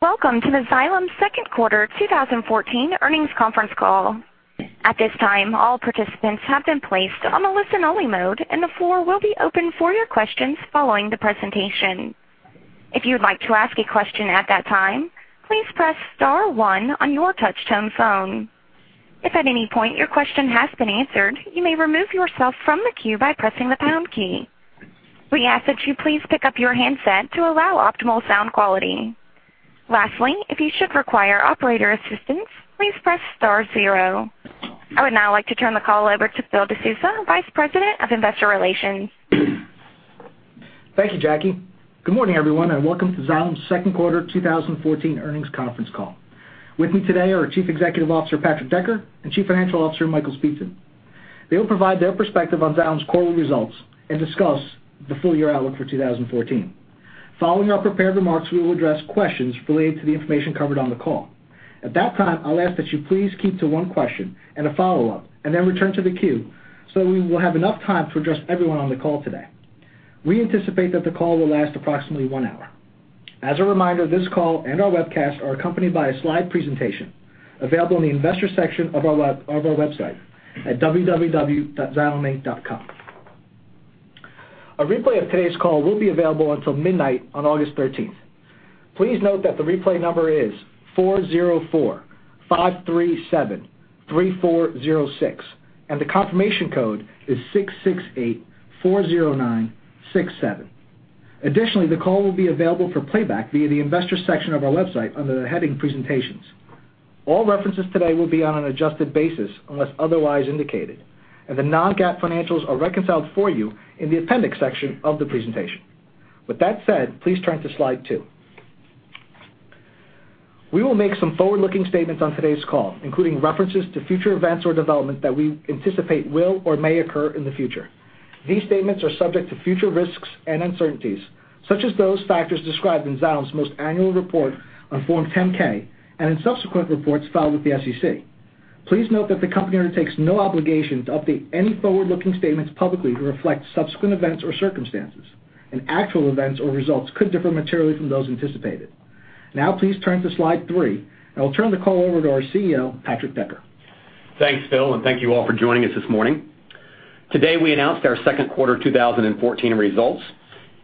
Welcome to the Xylem second quarter 2014 earnings conference call. At this time, all participants have been placed on a listen-only mode, and the floor will be open for your questions following the presentation. If you would like to ask a question at that time, please press star one on your touch-tone phone. If at any point your question has been answered, you may remove yourself from the queue by pressing the pound key. We ask that you please pick up your handset to allow optimal sound quality. Lastly, if you should require operator assistance, please press star zero. I would now like to turn the call over to Phil DeSousa, Vice President of Investor Relations. Thank you, Jackie. Good morning, everyone, and welcome to Xylem's second quarter 2014 earnings conference call. With me today are Chief Executive Officer, Patrick Decker, and Chief Financial Officer, Michael Speetzen. They will provide their perspective on Xylem's quarterly results and discuss the full-year outlook for 2014. Following our prepared remarks, we will address questions related to the information covered on the call. At that time, I'll ask that you please keep to one question and a follow-up and then return to the queue, so we will have enough time to address everyone on the call today. We anticipate that the call will last approximately one hour. As a reminder, this call and our webcast are accompanied by a slide presentation available in the Investors section of our website at www.xyleminc.com. A replay of today's call will be available until midnight on August 13th. Please note that the replay number is 404-537-3406, and the confirmation code is 66840967. Additionally, the call will be available for playback via the Investors section of our website under the heading Presentations. All references today will be on an adjusted basis unless otherwise indicated, and the non-GAAP financials are reconciled for you in the appendix section of the presentation. With that said, please turn to Slide 2. We will make some forward-looking statements on today's call, including references to future events or development that we anticipate will or may occur in the future. These statements are subject to future risks and uncertainties, such as those factors described in Xylem's most annual report on Form 10-K and in subsequent reports filed with the SEC. Please note that the company undertakes no obligation to update any forward-looking statements publicly to reflect subsequent events or circumstances, and actual events or results could differ materially from those anticipated. Now, please turn to Slide 3, and I'll turn the call over to our CEO, Patrick Decker. Thanks, Phil, and thank you all for joining us this morning. Today, we announced our second quarter 2014 results.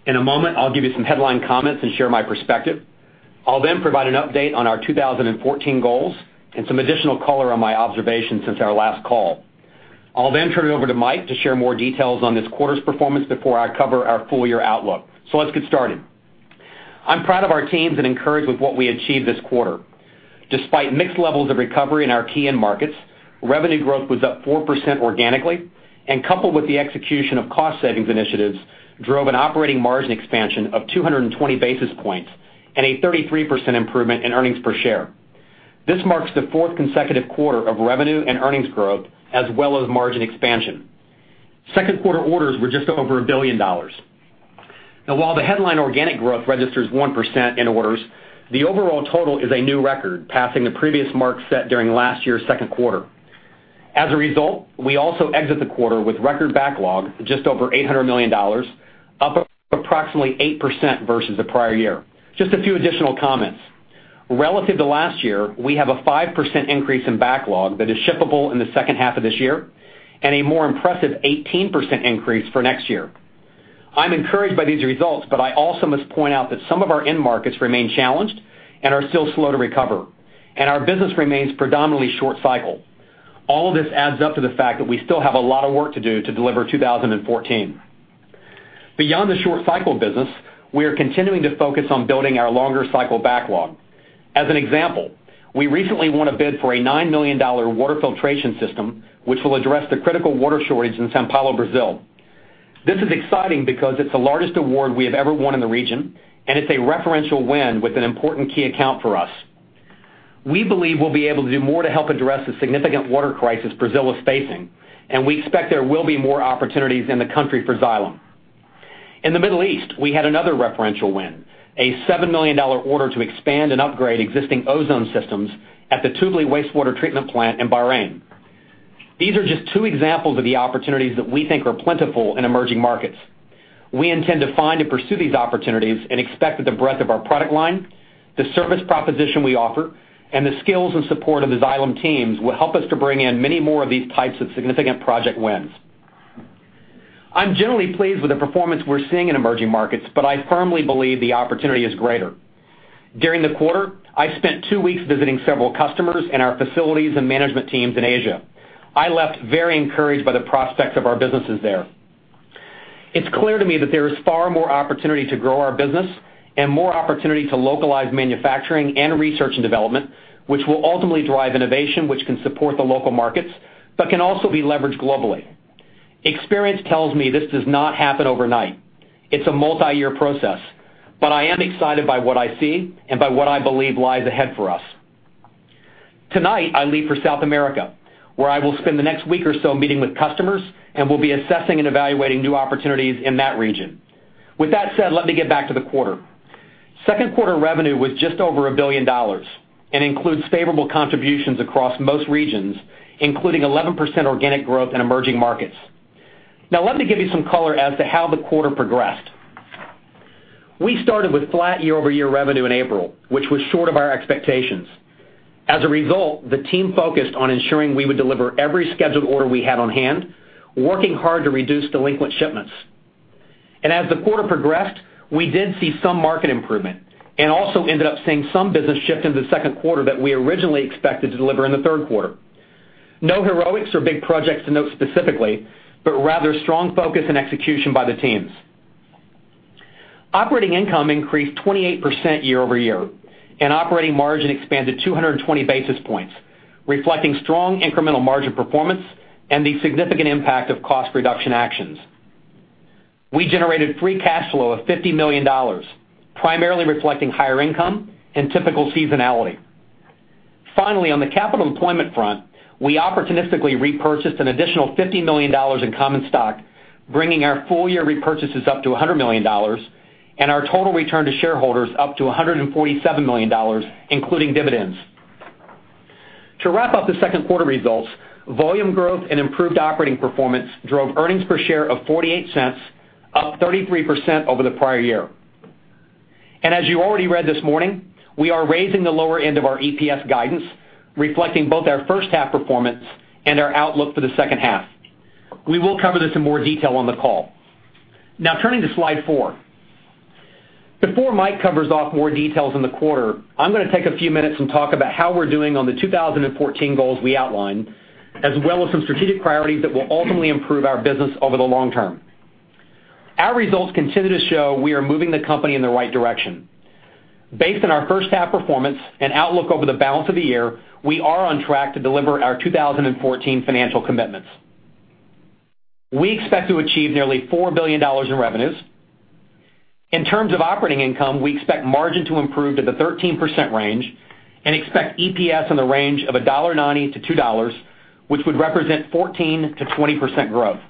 In a moment, I'll give you some headline comments and share my perspective. I'll then provide an update on our 2014 goals and some additional color on my observations since our last call. I'll then turn it over to Mike to share more details on this quarter's performance before I cover our full-year outlook. Let's get started. I'm proud of our teams and encouraged with what we achieved this quarter. Despite mixed levels of recovery in our key end markets, revenue growth was up 4% organically, and coupled with the execution of cost savings initiatives, drove an operating margin expansion of 220 basis points and a 33% improvement in earnings per share. This marks the fourth consecutive quarter of revenue and earnings growth, as well as margin expansion. Second quarter orders were just over $1 billion. While the headline organic growth registers 1% in orders, the overall total is a new record, passing the previous mark set during last year's second quarter. As a result, we also exit the quarter with record backlog, just over $800 million, up approximately 8% versus the prior year. Just a few additional comments. Relative to last year, we have a 5% increase in backlog that is shippable in the second half of this year and a more impressive 18% increase for next year. I'm encouraged by these results, but I also must point out that some of our end markets remain challenged and are still slow to recover, and our business remains predominantly short cycle. All of this adds up to the fact that we still have a lot of work to do to deliver 2014. Beyond the short cycle business, we are continuing to focus on building our longer cycle backlog. As an example, we recently won a bid for a $9 million water filtration system, which will address the critical water shortage in São Paulo, Brazil. This is exciting because it's the largest award we have ever won in the region, and it's a referential win with an important key account for us. We believe we'll be able to do more to help address the significant water crisis Brazil is facing, and we expect there will be more opportunities in the country for Xylem. In the Middle East, we had another referential win, a $7 million order to expand and upgrade existing ozone systems at the Tubli Wastewater Treatment Plant in Bahrain. These are just two examples of the opportunities that we think are plentiful in emerging markets. We intend to find and pursue these opportunities and expect that the breadth of our product line, the service proposition we offer, and the skills and support of the Xylem teams will help us to bring in many more of these types of significant project wins. I'm generally pleased with the performance we're seeing in emerging markets, I firmly believe the opportunity is greater. During the quarter, I spent two weeks visiting several customers and our facilities and management teams in Asia. I left very encouraged by the prospects of our businesses there. It's clear to me that there is far more opportunity to grow our business and more opportunity to localize manufacturing and research and development, which will ultimately drive innovation, which can support the local markets but can also be leveraged globally. Experience tells me this does not happen overnight. It's a multi-year process. I am excited by what I see and by what I believe lies ahead for us. Tonight, I leave for South America, where I will spend the next week or so meeting with customers and will be assessing and evaluating new opportunities in that region. With that said, let me get back to the quarter. Second quarter revenue was just over $1 billion and includes favorable contributions across most regions, including 11% organic growth in emerging markets. Let me give you some color as to how the quarter progressed. We started with flat year-over-year revenue in April, which was short of our expectations. As a result, the team focused on ensuring we would deliver every scheduled order we had on hand, working hard to reduce delinquent shipments. As the quarter progressed, we did see some market improvement and also ended up seeing some business shift into the second quarter that we originally expected to deliver in the third quarter. No heroics or big projects to note specifically, but rather strong focus and execution by the teams. Operating income increased 28% year-over-year, and operating margin expanded 220 basis points, reflecting strong incremental margin performance and the significant impact of cost reduction actions. We generated free cash flow of $50 million, primarily reflecting higher income and typical seasonality. Finally, on the capital employment front, we opportunistically repurchased an additional $50 million in common stock, bringing our full-year repurchases up to $100 million, and our total return to shareholders up to $147 million, including dividends. To wrap up the second quarter results, volume growth and improved operating performance drove earnings per share of $0.48, up 33% over the prior year. As you already read this morning, we are raising the lower end of our EPS guidance, reflecting both our first half performance and our outlook for the second half. We will cover this in more detail on the call. Turning to slide four. Before Mike Speetzen covers off more details on the quarter, I'm going to take a few minutes and talk about how we're doing on the 2014 goals we outlined, as well as some strategic priorities that will ultimately improve our business over the long term. Our results continue to show we are moving the company in the right direction. Based on our first half performance and outlook over the balance of the year, we are on track to deliver our 2014 financial commitments. We expect to achieve nearly $4 billion in revenues. In terms of operating income, we expect margin to improve to the 13% range and expect EPS in the range of $1.90-$2, which would represent 14%-20% growth.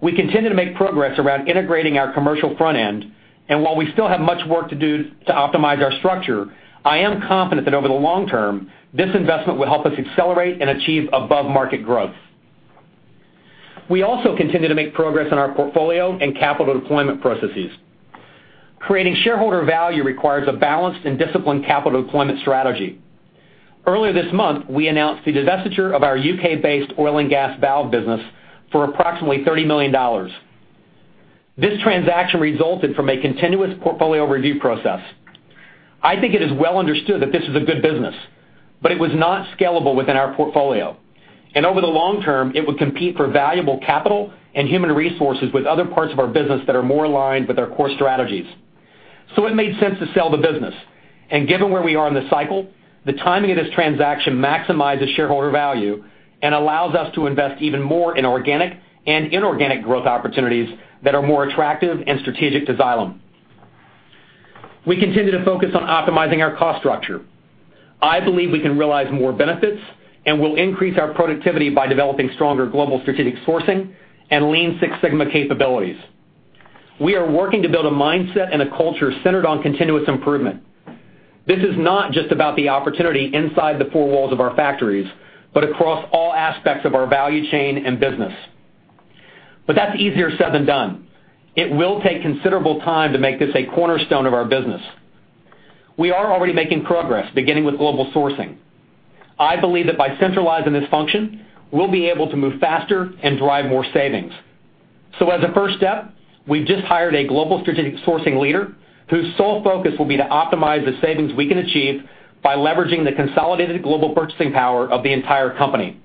We continue to make progress around integrating our commercial front end, and while we still have much work to do to optimize our structure, I am confident that over the long term, this investment will help us accelerate and achieve above-market growth. We also continue to make progress on our portfolio and capital deployment processes. Creating shareholder value requires a balanced and disciplined capital deployment strategy. Earlier this month, we announced the divestiture of our U.K.-based oil and gas valve business for approximately $30 million. This transaction resulted from a continuous portfolio review process. I think it is well understood that this is a good business, but it was not scalable within our portfolio. Over the long term, it would compete for valuable capital and human resources with other parts of our business that are more aligned with our core strategies. It made sense to sell the business. Given where we are in the cycle, the timing of this transaction maximizes shareholder value and allows us to invest even more in organic and inorganic growth opportunities that are more attractive and strategic to Xylem. We continue to focus on optimizing our cost structure. I believe we can realize more benefits and will increase our productivity by developing stronger global strategic sourcing and Lean Six Sigma capabilities. We are working to build a mindset and a culture centered on continuous improvement. This is not just about the opportunity inside the four walls of our factories, but across all aspects of our value chain and business. That's easier said than done. It will take considerable time to make this a cornerstone of our business. We are already making progress, beginning with global sourcing. I believe that by centralizing this function, we'll be able to move faster and drive more savings. As a first step, we've just hired a global strategic sourcing leader whose sole focus will be to optimize the savings we can achieve by leveraging the consolidated global purchasing power of the entire company.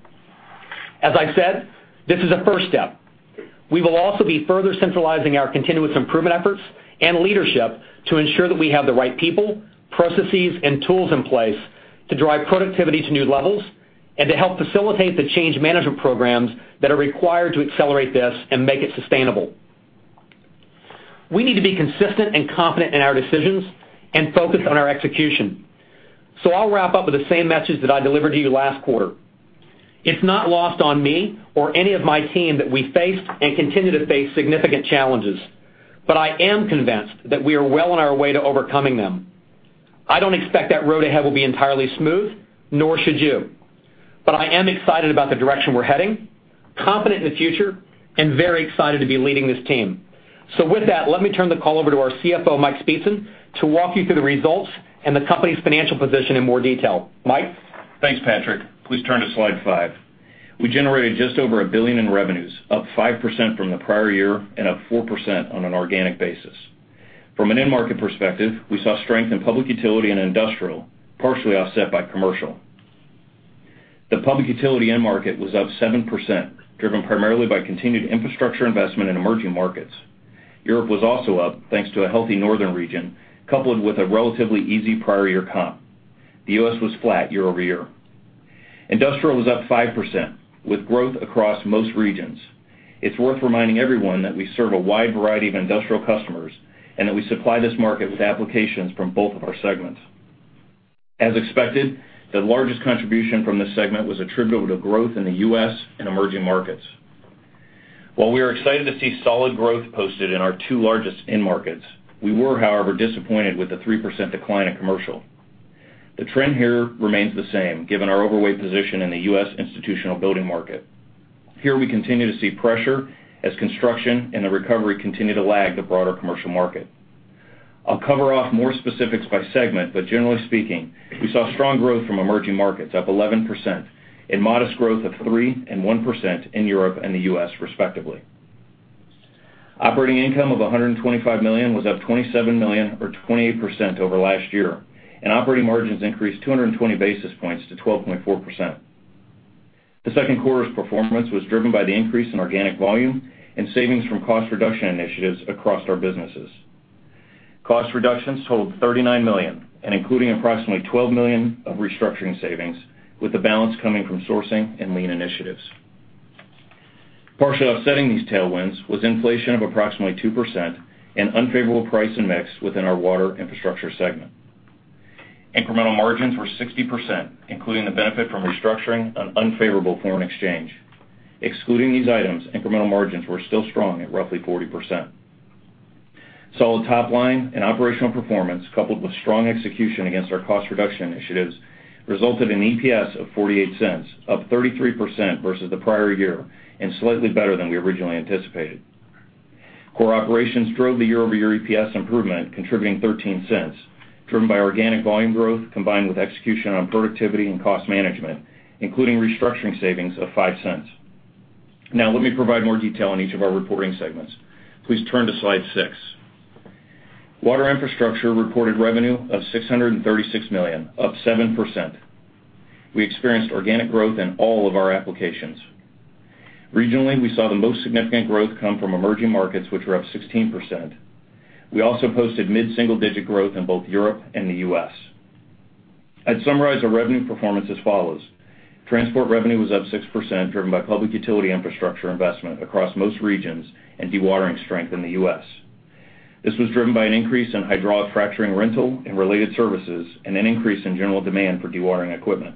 As I said, this is a first step. We will also be further centralizing our continuous improvement efforts and leadership to ensure that we have the right people, processes, and tools in place to drive productivity to new levels and to help facilitate the change management programs that are required to accelerate this and make it sustainable. We need to be consistent and confident in our decisions and focused on our execution. I'll wrap up with the same message that I delivered to you last quarter. It's not lost on me or any of my team that we faced and continue to face significant challenges, I am convinced that we are well on our way to overcoming them. I don't expect that road ahead will be entirely smooth, nor should you. I am excited about the direction we're heading, confident in the future, and very excited to be leading this team. With that, let me turn the call over to our CFO, Mike Speetzen, to walk you through the results and the company's financial position in more detail. Mike? Thanks, Patrick. Please turn to slide five. We generated just over $1 billion in revenues, up 5% from the prior year and up 4% on an organic basis. From an end market perspective, we saw strength in public utility and industrial, partially offset by commercial. The public utility end market was up 7%, driven primarily by continued infrastructure investment in emerging markets. Europe was also up, thanks to a healthy northern region, coupled with a relatively easy prior year comp. The U.S. was flat year-over-year. Industrial was up 5%, with growth across most regions. It is worth reminding everyone that we serve a wide variety of industrial customers and that we supply this market with applications from both of our segments. As expected, the largest contribution from this segment was attributable to growth in the U.S. and emerging markets. While we are excited to see solid growth posted in our two largest end markets, we were, however, disappointed with the 3% decline in commercial. The trend here remains the same given our overweight position in the U.S. institutional building market. Here we continue to see pressure as construction and the recovery continue to lag the broader commercial market. I will cover off more specifics by segment, but generally speaking, we saw strong growth from emerging markets up 11% and modest growth of 3% and 1% in Europe and the U.S. respectively. Operating income of $125 million was up $27 million or 28% over last year, and operating margins increased 220 basis points to 12.4%. The second quarter's performance was driven by the increase in organic volume and savings from cost reduction initiatives across our businesses. Cost reductions totaled $39 million and including approximately $12 million of restructuring savings, with the balance coming from sourcing and Lean initiatives. Partially offsetting these tailwinds was inflation of approximately 2% and unfavorable price and mix within our Water Infrastructure segment. Incremental margins were 60%, including the benefit from restructuring on unfavorable foreign exchange. Excluding these items, incremental margins were still strong at roughly 40%. Solid top line and operational performance, coupled with strong execution against our cost reduction initiatives, resulted in EPS of $0.48, up 33% versus the prior year and slightly better than we originally anticipated. Core operations drove the year-over-year EPS improvement, contributing $0.13, driven by organic volume growth combined with execution on productivity and cost management, including restructuring savings of $0.05. Now let me provide more detail on each of our reporting segments. Please turn to slide six. Water Infrastructure reported revenue of $636 million, up 7%. We experienced organic growth in all of our applications. Regionally, we saw the most significant growth come from emerging markets, which were up 16%. We also posted mid-single-digit growth in both Europe and the U.S. I would summarize our revenue performance as follows. Transport revenue was up 6%, driven by public utility infrastructure investment across most regions and dewatering strength in the U.S. This was driven by an increase in hydraulic fracturing rental and related services and an increase in general demand for dewatering equipment.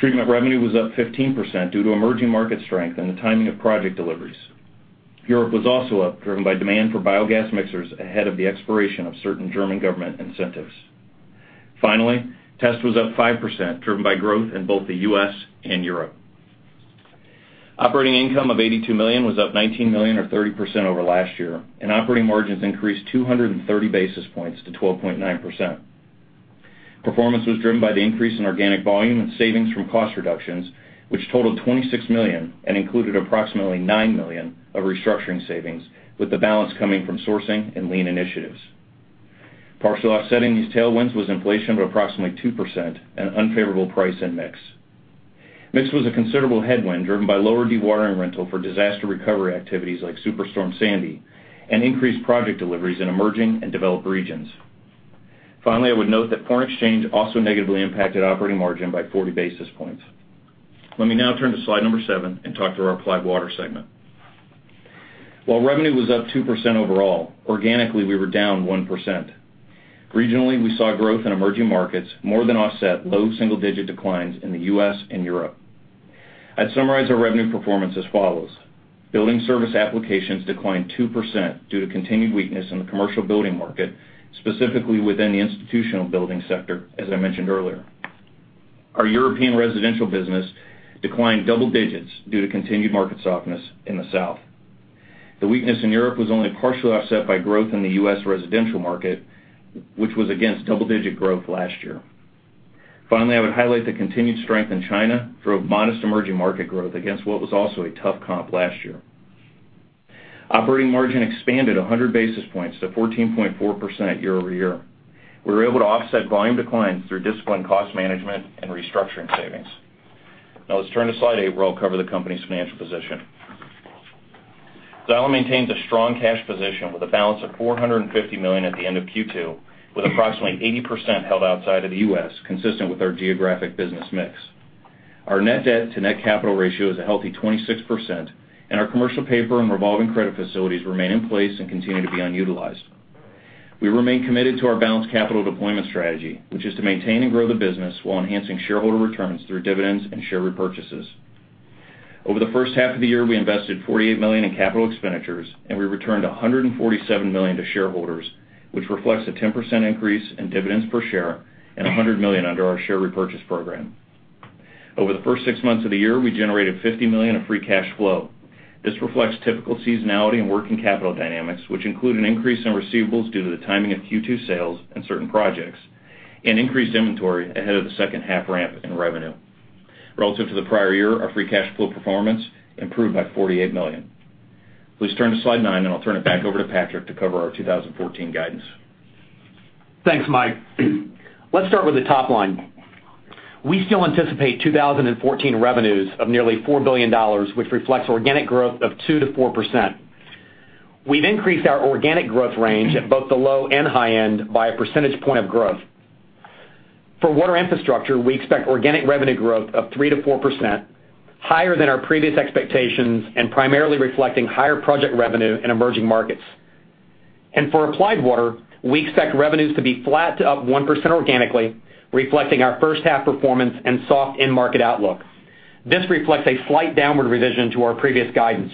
Treatment revenue was up 15% due to emerging market strength and the timing of project deliveries. Europe was also up, driven by demand for biogas mixers ahead of the expiration of certain German government incentives. Finally, test was up 5%, driven by growth in both the U.S. and Europe. Operating income of $82 million was up $19 million or 30% over last year, and operating margins increased 230 basis points to 12.9%. Performance was driven by the increase in organic volume and savings from cost reductions, which totaled $26 million and included approximately $9 million of restructuring savings, with the balance coming from sourcing and Lean initiatives. Partially offsetting these tailwinds was inflation of approximately 2% and unfavorable price and mix. Mix was a considerable headwind driven by lower dewatering rental for disaster recovery activities like Superstorm Sandy and increased project deliveries in emerging and developed regions. Finally, I would note that foreign exchange also negatively impacted operating margin by 40 basis points. Let me now turn to slide number seven and talk through our Applied Water segment. While revenue was up 2% overall, organically, we were down 1%. Regionally, we saw growth in emerging markets more than offset low single-digit declines in the U.S. and Europe. I'd summarize our revenue performance as follows. Building service applications declined 2% due to continued weakness in the commercial building market, specifically within the institutional building sector, as I mentioned earlier. Our European residential business declined double digits due to continued market softness in the south. The weakness in Europe was only partially offset by growth in the U.S. residential market, which was against double-digit growth last year. Finally, I would highlight the continued strength in China drove modest emerging market growth against what was also a tough comp last year. Operating margin expanded 100 basis points to 14.4% year-over-year. We were able to offset volume declines through disciplined cost management and restructuring savings. Now let's turn to slide eight, where I'll cover the company's financial position. Xylem maintains a strong cash position with a balance of $450 million at the end of Q2, with approximately 80% held outside of the U.S., consistent with our geographic business mix. Our net debt to net capital ratio is a healthy 26%, and our commercial paper and revolving credit facilities remain in place and continue to be unutilized. We remain committed to our balanced capital deployment strategy, which is to maintain and grow the business while enhancing shareholder returns through dividends and share repurchases. Over the first half of the year, we invested $48 million in capital expenditures, and we returned $147 million to shareholders, which reflects a 10% increase in dividends per share and $100 million under our share repurchase program. Over the first six months of the year, we generated $50 million of free cash flow. This reflects typical seasonality and working capital dynamics, which include an increase in receivables due to the timing of Q2 sales and certain projects and increased inventory ahead of the second half ramp in revenue. Relative to the prior year, our free cash flow performance improved by $48 million. Please turn to slide nine, and I'll turn it back over to Patrick to cover our 2014 guidance. Thanks, Mike. Let's start with the top line. We still anticipate 2014 revenues of nearly $4 billion, which reflects organic growth of 2%-4%. We've increased our organic growth range at both the low and high end by a percentage point of growth. For Water Infrastructure, we expect organic revenue growth of 3%-4%, higher than our previous expectations and primarily reflecting higher project revenue in emerging markets. For Applied Water, we expect revenues to be flat to up 1% organically, reflecting our first half performance and soft end market outlook. This reflects a slight downward revision to our previous guidance.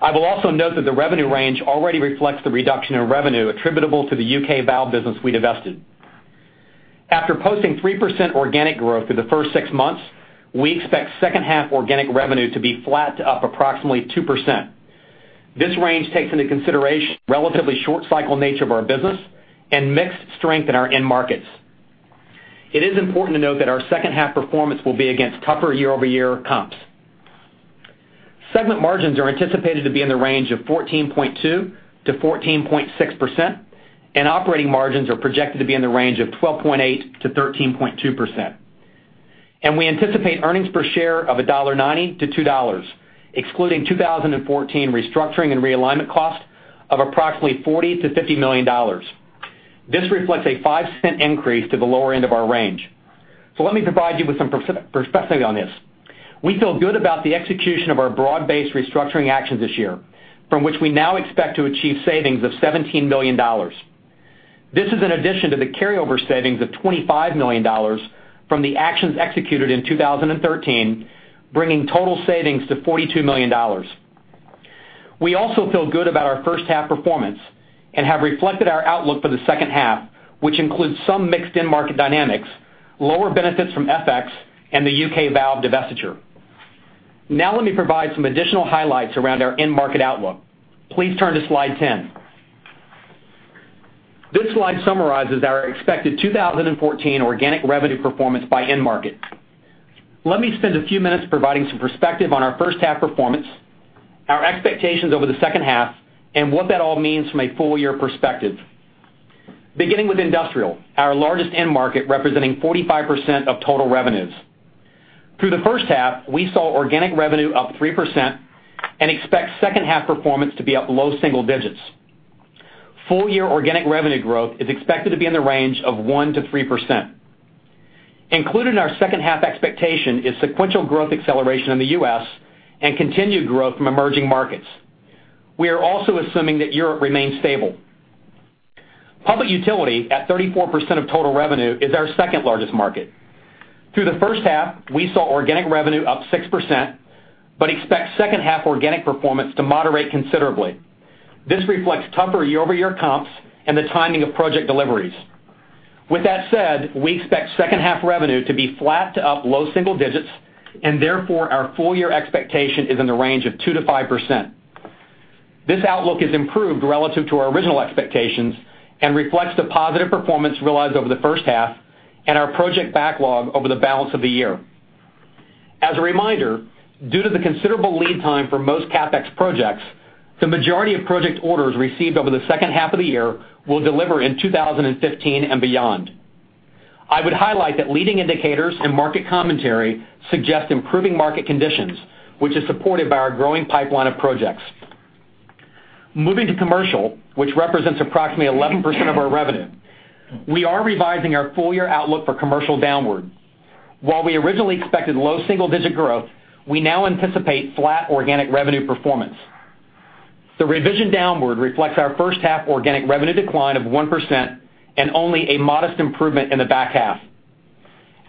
I will also note that the revenue range already reflects the reduction in revenue attributable to the U.K. valve business we divested. After posting 3% organic growth through the first six months, we expect second half organic revenue to be flat to up approximately 2%. This range takes into consideration the relatively short cycle nature of our business and mixed strength in our end markets. It is important to note that our second half performance will be against tougher year-over-year comps. Segment margins are anticipated to be in the range of 14.2%-14.6%, and operating margins are projected to be in the range of 12.8%-13.2%. We anticipate earnings per share of $1.90-$2, excluding 2014 restructuring and realignment costs of approximately $40 million-$50 million. This reflects a $0.05 increase to the lower end of our range. Let me provide you with some perspective on this. We feel good about the execution of our broad-based restructuring actions this year, from which we now expect to achieve savings of $17 million. This is in addition to the carryover savings of $25 million from the actions executed in 2013, bringing total savings to $42 million. We also feel good about our first half performance and have reflected our outlook for the second half, which includes some mixed end market dynamics, lower benefits from FX, and the U.K. valve divestiture. Let me provide some additional highlights around our end market outlook. Please turn to slide 10. This slide summarizes our expected 2014 organic revenue performance by end market. Let me spend a few minutes providing some perspective on our first half performance, our expectations over the second half, and what that all means from a full year perspective. Beginning with industrial, our largest end market, representing 45% of total revenues. Through the first half, we saw organic revenue up 3% and expect second half performance to be up low single digits. Full year organic revenue growth is expected to be in the range of 1%-3%. Included in our second half expectation is sequential growth acceleration in the U.S. and continued growth from emerging markets. We are also assuming that Europe remains stable. Public utility, at 34% of total revenue, is our second largest market. Through the first half, we saw organic revenue up 6%, but expect second half organic performance to moderate considerably. This reflects tougher year-over-year comps and the timing of project deliveries. With that said, we expect second half revenue to be flat to up low single digits, and therefore, our full year expectation is in the range of 2%-5%. This outlook is improved relative to our original expectations and reflects the positive performance realized over the first half and our project backlog over the balance of the year. As a reminder, due to the considerable lead time for most CapEx projects, the majority of project orders received over the second half of the year will deliver in 2015 and beyond. I would highlight that leading indicators and market commentary suggest improving market conditions, which is supported by our growing pipeline of projects. Moving to commercial, which represents approximately 11% of our revenue, we are revising our full year outlook for commercial downward. While we originally expected low single-digit growth, we now anticipate flat organic revenue performance. The revision downward reflects our first half organic revenue decline of 1% and only a modest improvement in the back half.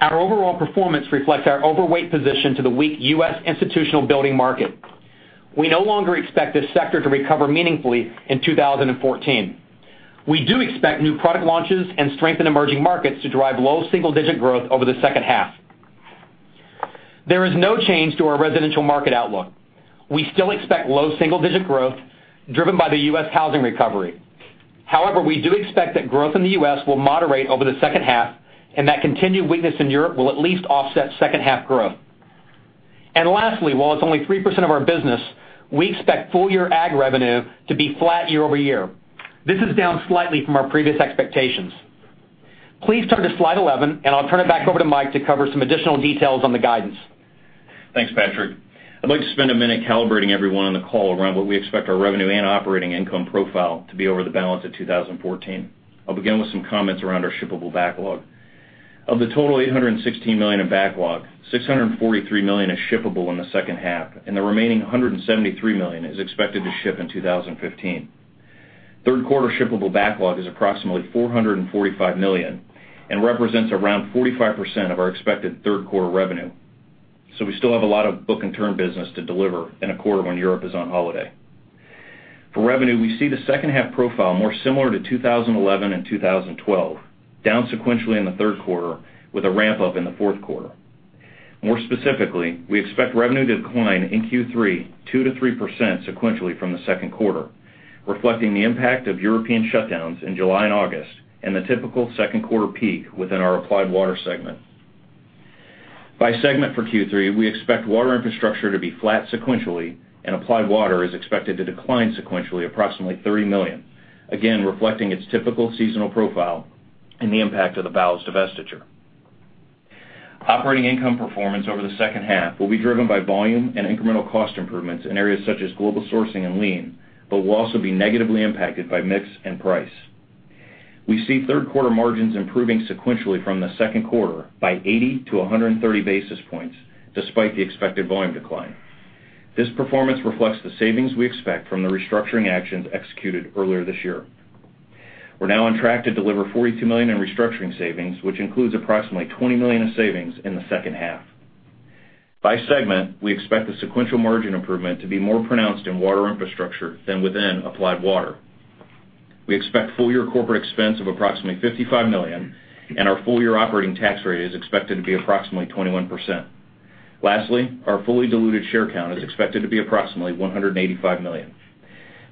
Our overall performance reflects our overweight position to the weak U.S. institutional building market. We no longer expect this sector to recover meaningfully in 2014. We do expect new product launches and strength in emerging markets to drive low single-digit growth over the second half. There is no change to our residential market outlook. We still expect low single-digit growth driven by the U.S. housing recovery. However, we do expect that growth in the U.S. will moderate over the second half, and that continued weakness in Europe will at least offset second half growth. Lastly, while it's only 3% of our business, we expect full year ag revenue to be flat year-over-year. This is down slightly from our previous expectations. Please turn to slide 11, and I'll turn it back over to Mike to cover some additional details on the guidance. Thanks, Patrick. I'd like to spend a minute calibrating everyone on the call around what we expect our revenue and operating income profile to be over the balance of 2014. I'll begin with some comments around our shippable backlog. Of the total $816 million in backlog, $643 million is shippable in the second half, and the remaining $173 million is expected to ship in 2015. Third quarter shippable backlog is approximately $445 million and represents around 45% of our expected third quarter revenue. We still have a lot of book and turn business to deliver in a quarter when Europe is on holiday. For revenue, we see the second half profile more similar to 2011 and 2012, down sequentially in the third quarter with a ramp-up in the fourth quarter. More specifically, we expect revenue to decline in Q3 2%-3% sequentially from the second quarter, reflecting the impact of European shutdowns in July and August and the typical second quarter peak within our Applied Water segment. By segment for Q3, we expect Water Infrastructure to be flat sequentially, and Applied Water is expected to decline sequentially approximately $30 million, again, reflecting its typical seasonal profile and the impact of the valves divestiture. Operating income performance over the second half will be driven by volume and incremental cost improvements in areas such as global sourcing and Lean, but will also be negatively impacted by mix and price. We see third quarter margins improving sequentially from the second quarter by 80-130 basis points, despite the expected volume decline. This performance reflects the savings we expect from the restructuring actions executed earlier this year. We're now on track to deliver $42 million in restructuring savings, which includes approximately $20 million in savings in the second half. By segment, we expect the sequential margin improvement to be more pronounced in Water Infrastructure than within Applied Water. We expect full-year corporate expense of approximately $55 million, and our full-year operating tax rate is expected to be approximately 21%. Lastly, our fully diluted share count is expected to be approximately $185 million.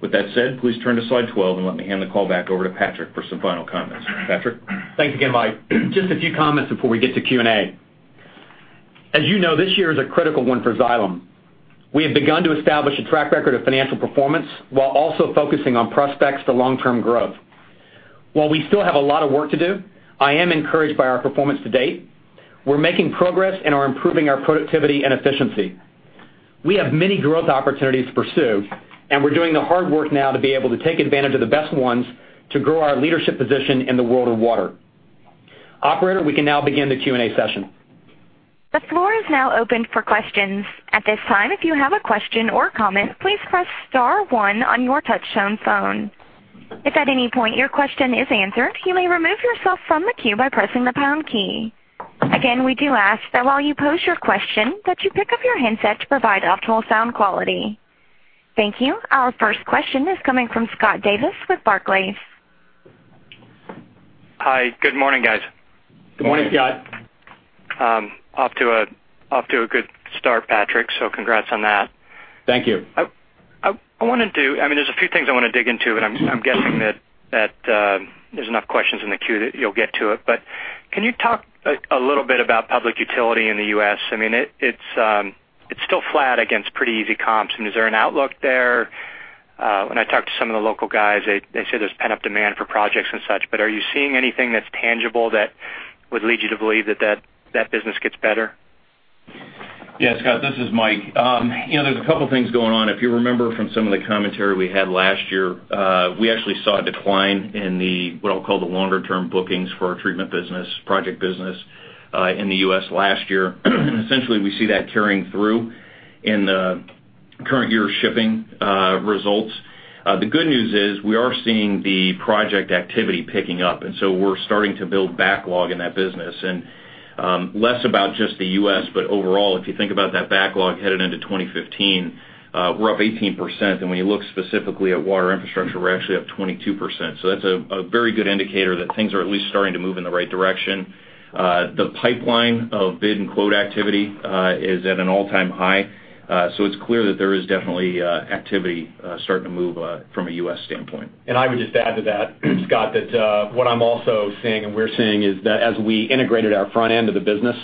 With that said, please turn to slide 12, and let me hand the call back over to Patrick for some final comments. Patrick? Thanks again, Mike. Just a few comments before we get to Q&A. As you know, this year is a critical one for Xylem. We have begun to establish a track record of financial performance while also focusing on prospects for long-term growth. While we still have a lot of work to do, I am encouraged by our performance to date. We're making progress and are improving our productivity and efficiency. We have many growth opportunities to pursue, and we're doing the hard work now to be able to take advantage of the best ones to grow our leadership position in the world of water. Operator, we can now begin the Q&A session. The floor is now open for questions. At this time, if you have a question or comment, please press *1 on your touchtone phone. If at any point your question is answered, you may remove yourself from the queue by pressing the # key. Again, we do ask that while you pose your question, that you pick up your handset to provide optimal sound quality. Thank you. Our first question is coming from Scott Davis with Barclays. Hi. Good morning, guys. Good morning, Scott. Off to a good start, Patrick, so congrats on that. Thank you. There's a few things I want to dig into, and I'm guessing that there's enough questions in the queue that you'll get to it, but can you talk a little bit about public utility in the U.S.? It's still flat against pretty easy comps, and is there an outlook there? When I talk to some of the local guys, they say there's pent-up demand for projects and such, but are you seeing anything that's tangible that would lead you to believe that business gets better? Scott, this is Mike. There's a couple things going on. If you remember from some of the commentary we had last year, we actually saw a decline in the, what I'll call the longer-term bookings for our treatment business, project business, in the U.S. last year. Essentially, we see that carrying through in the current year shipping results. The good news is we are seeing the project activity picking up, and we're starting to build backlog in that business, and less about just the U.S., but overall, if you think about that backlog headed into 2015, we're up 18%, and when you look specifically at Water Infrastructure, we're actually up 22%. That's a very good indicator that things are at least starting to move in the right direction. The pipeline of bid and quote activity is at an all-time high. It's clear that there is definitely activity starting to move from a U.S. standpoint. I would just add to that, Scott, that what I'm also seeing, and we're seeing is that as we integrated our front end of the business,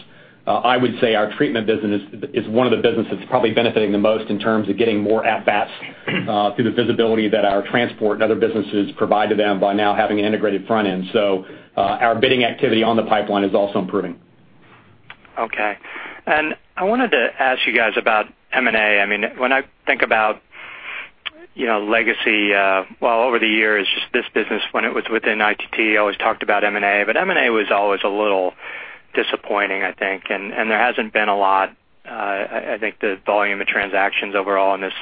I would say our treatment business is one of the businesses that's probably benefiting the most in terms of getting more at bats through the visibility that our transport and other businesses provide to them by now having an integrated front end. Our bidding activity on the pipeline is also improving. Okay. I wanted to ask you guys about M&A. When I think about legacy, well, over the years, just this business when it was within ITT, always talked about M&A, but M&A was always a little disappointing, I think, and there hasn't been a lot. I think the volume of transactions overall on this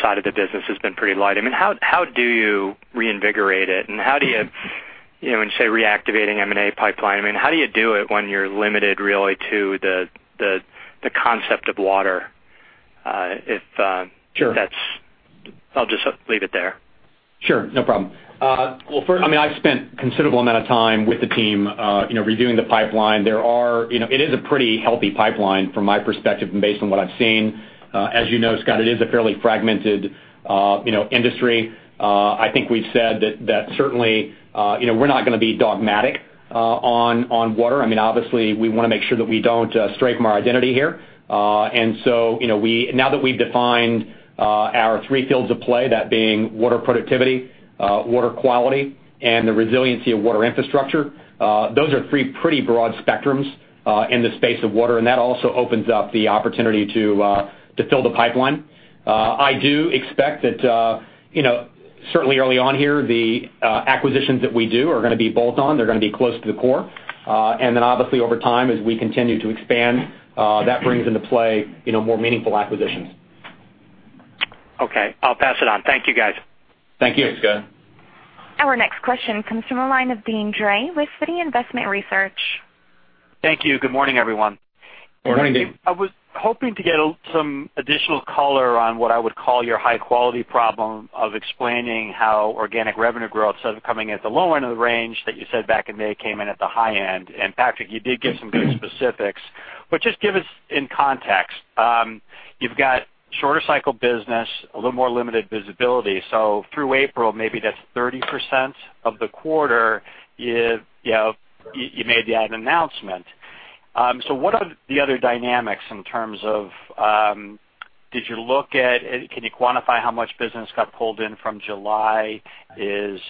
side of the business has been pretty light. How do you reinvigorate it, and how do you, when you say reactivating M&A pipeline, how do you do it when you're limited really to the concept of water? Sure. I'll just leave it there. Sure, no problem. Well, first, I've spent considerable amount of time with the team redoing the pipeline. It is a pretty healthy pipeline from my perspective and based on what I've seen. As you know, Scott, it is a fairly fragmented industry. I think we've said that certainly we're not going to be dogmatic on water. Obviously, we want to make sure that we don't stray from our identity here. Now that we've defined our three fields of play, that being water productivity, water quality, and the resiliency of Water Infrastructure, those are three pretty broad spectrums in the space of water, and that also opens up the opportunity to fill the pipeline. I do expect that, certainly early on here, the acquisitions that we do are going to be bolt-on. They're going to be close to the core. Obviously over time, as we continue to expand, that brings into play more meaningful acquisitions. Okay. I'll pass it on. Thank you, guys. Thank you. Thanks, Scott. Our next question comes from the line of Deane Dray with Citi Investment Research. Thank you. Good morning, everyone. Good morning, Dean. Morning. I was hoping to get some additional color on what I would call your high-quality problem of explaining how organic revenue growth, instead of coming at the low end of the range that you said back in May, came in at the high end. Patrick, you did give some good specifics, but just give us in context. You've got shorter cycle business, a little more limited visibility. Through April, maybe that's 30% of the quarter, you made that announcement. What are the other dynamics in terms of, can you quantify how much business got pulled in from July? Did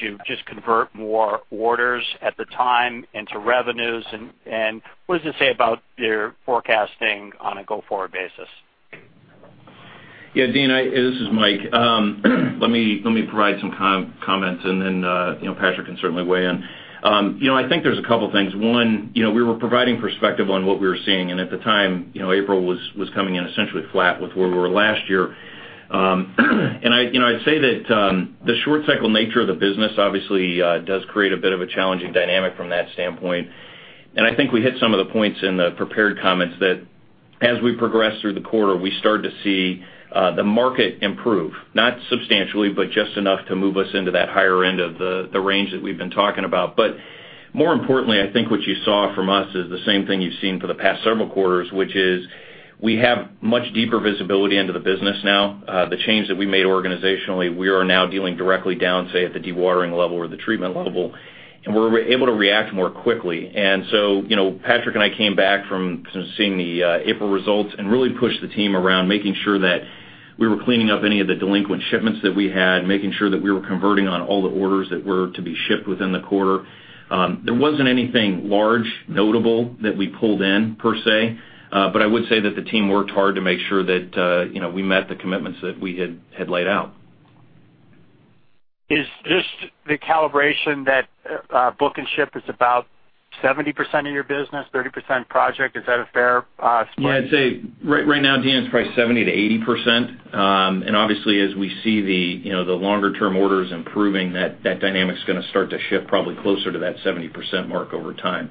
you just convert more orders at the time into revenues? What does it say about your forecasting on a go-forward basis? Yeah, Dean, this is Mike. Let me provide some comments. Then Patrick can certainly weigh in. I think there's a couple things. One, we were providing perspective on what we were seeing, and at the time, April was coming in essentially flat with where we were last year. I'd say that the short cycle nature of the business obviously does create a bit of a challenging dynamic from that standpoint. I think we hit some of the points in the prepared comments that as we progress through the quarter, we start to see the market improve, not substantially, but just enough to move us into that higher end of the range that we've been talking about. More importantly, I think what you saw from us is the same thing you've seen for the past several quarters, which is we have much deeper visibility into the business now. The change that we made organizationally, we are now dealing directly down, say, at the dewatering level or the treatment level, we're able to react more quickly. Patrick and I came back from seeing the April results and really pushed the team around, making sure that we were cleaning up any of the delinquent shipments that we had, making sure that we were converting on all the orders that were to be shipped within the quarter. There wasn't anything large, notable that we pulled in, per se. I would say that the team worked hard to make sure that we met the commitments that we had laid out. Is this the calibration that book and ship is about 70% of your business, 30% project? Is that a fair split? Yeah, I'd say right now, Dan, it's probably 70%-80%. Obviously as we see the longer-term orders improving, that dynamic's going to start to shift probably closer to that 70% mark over time.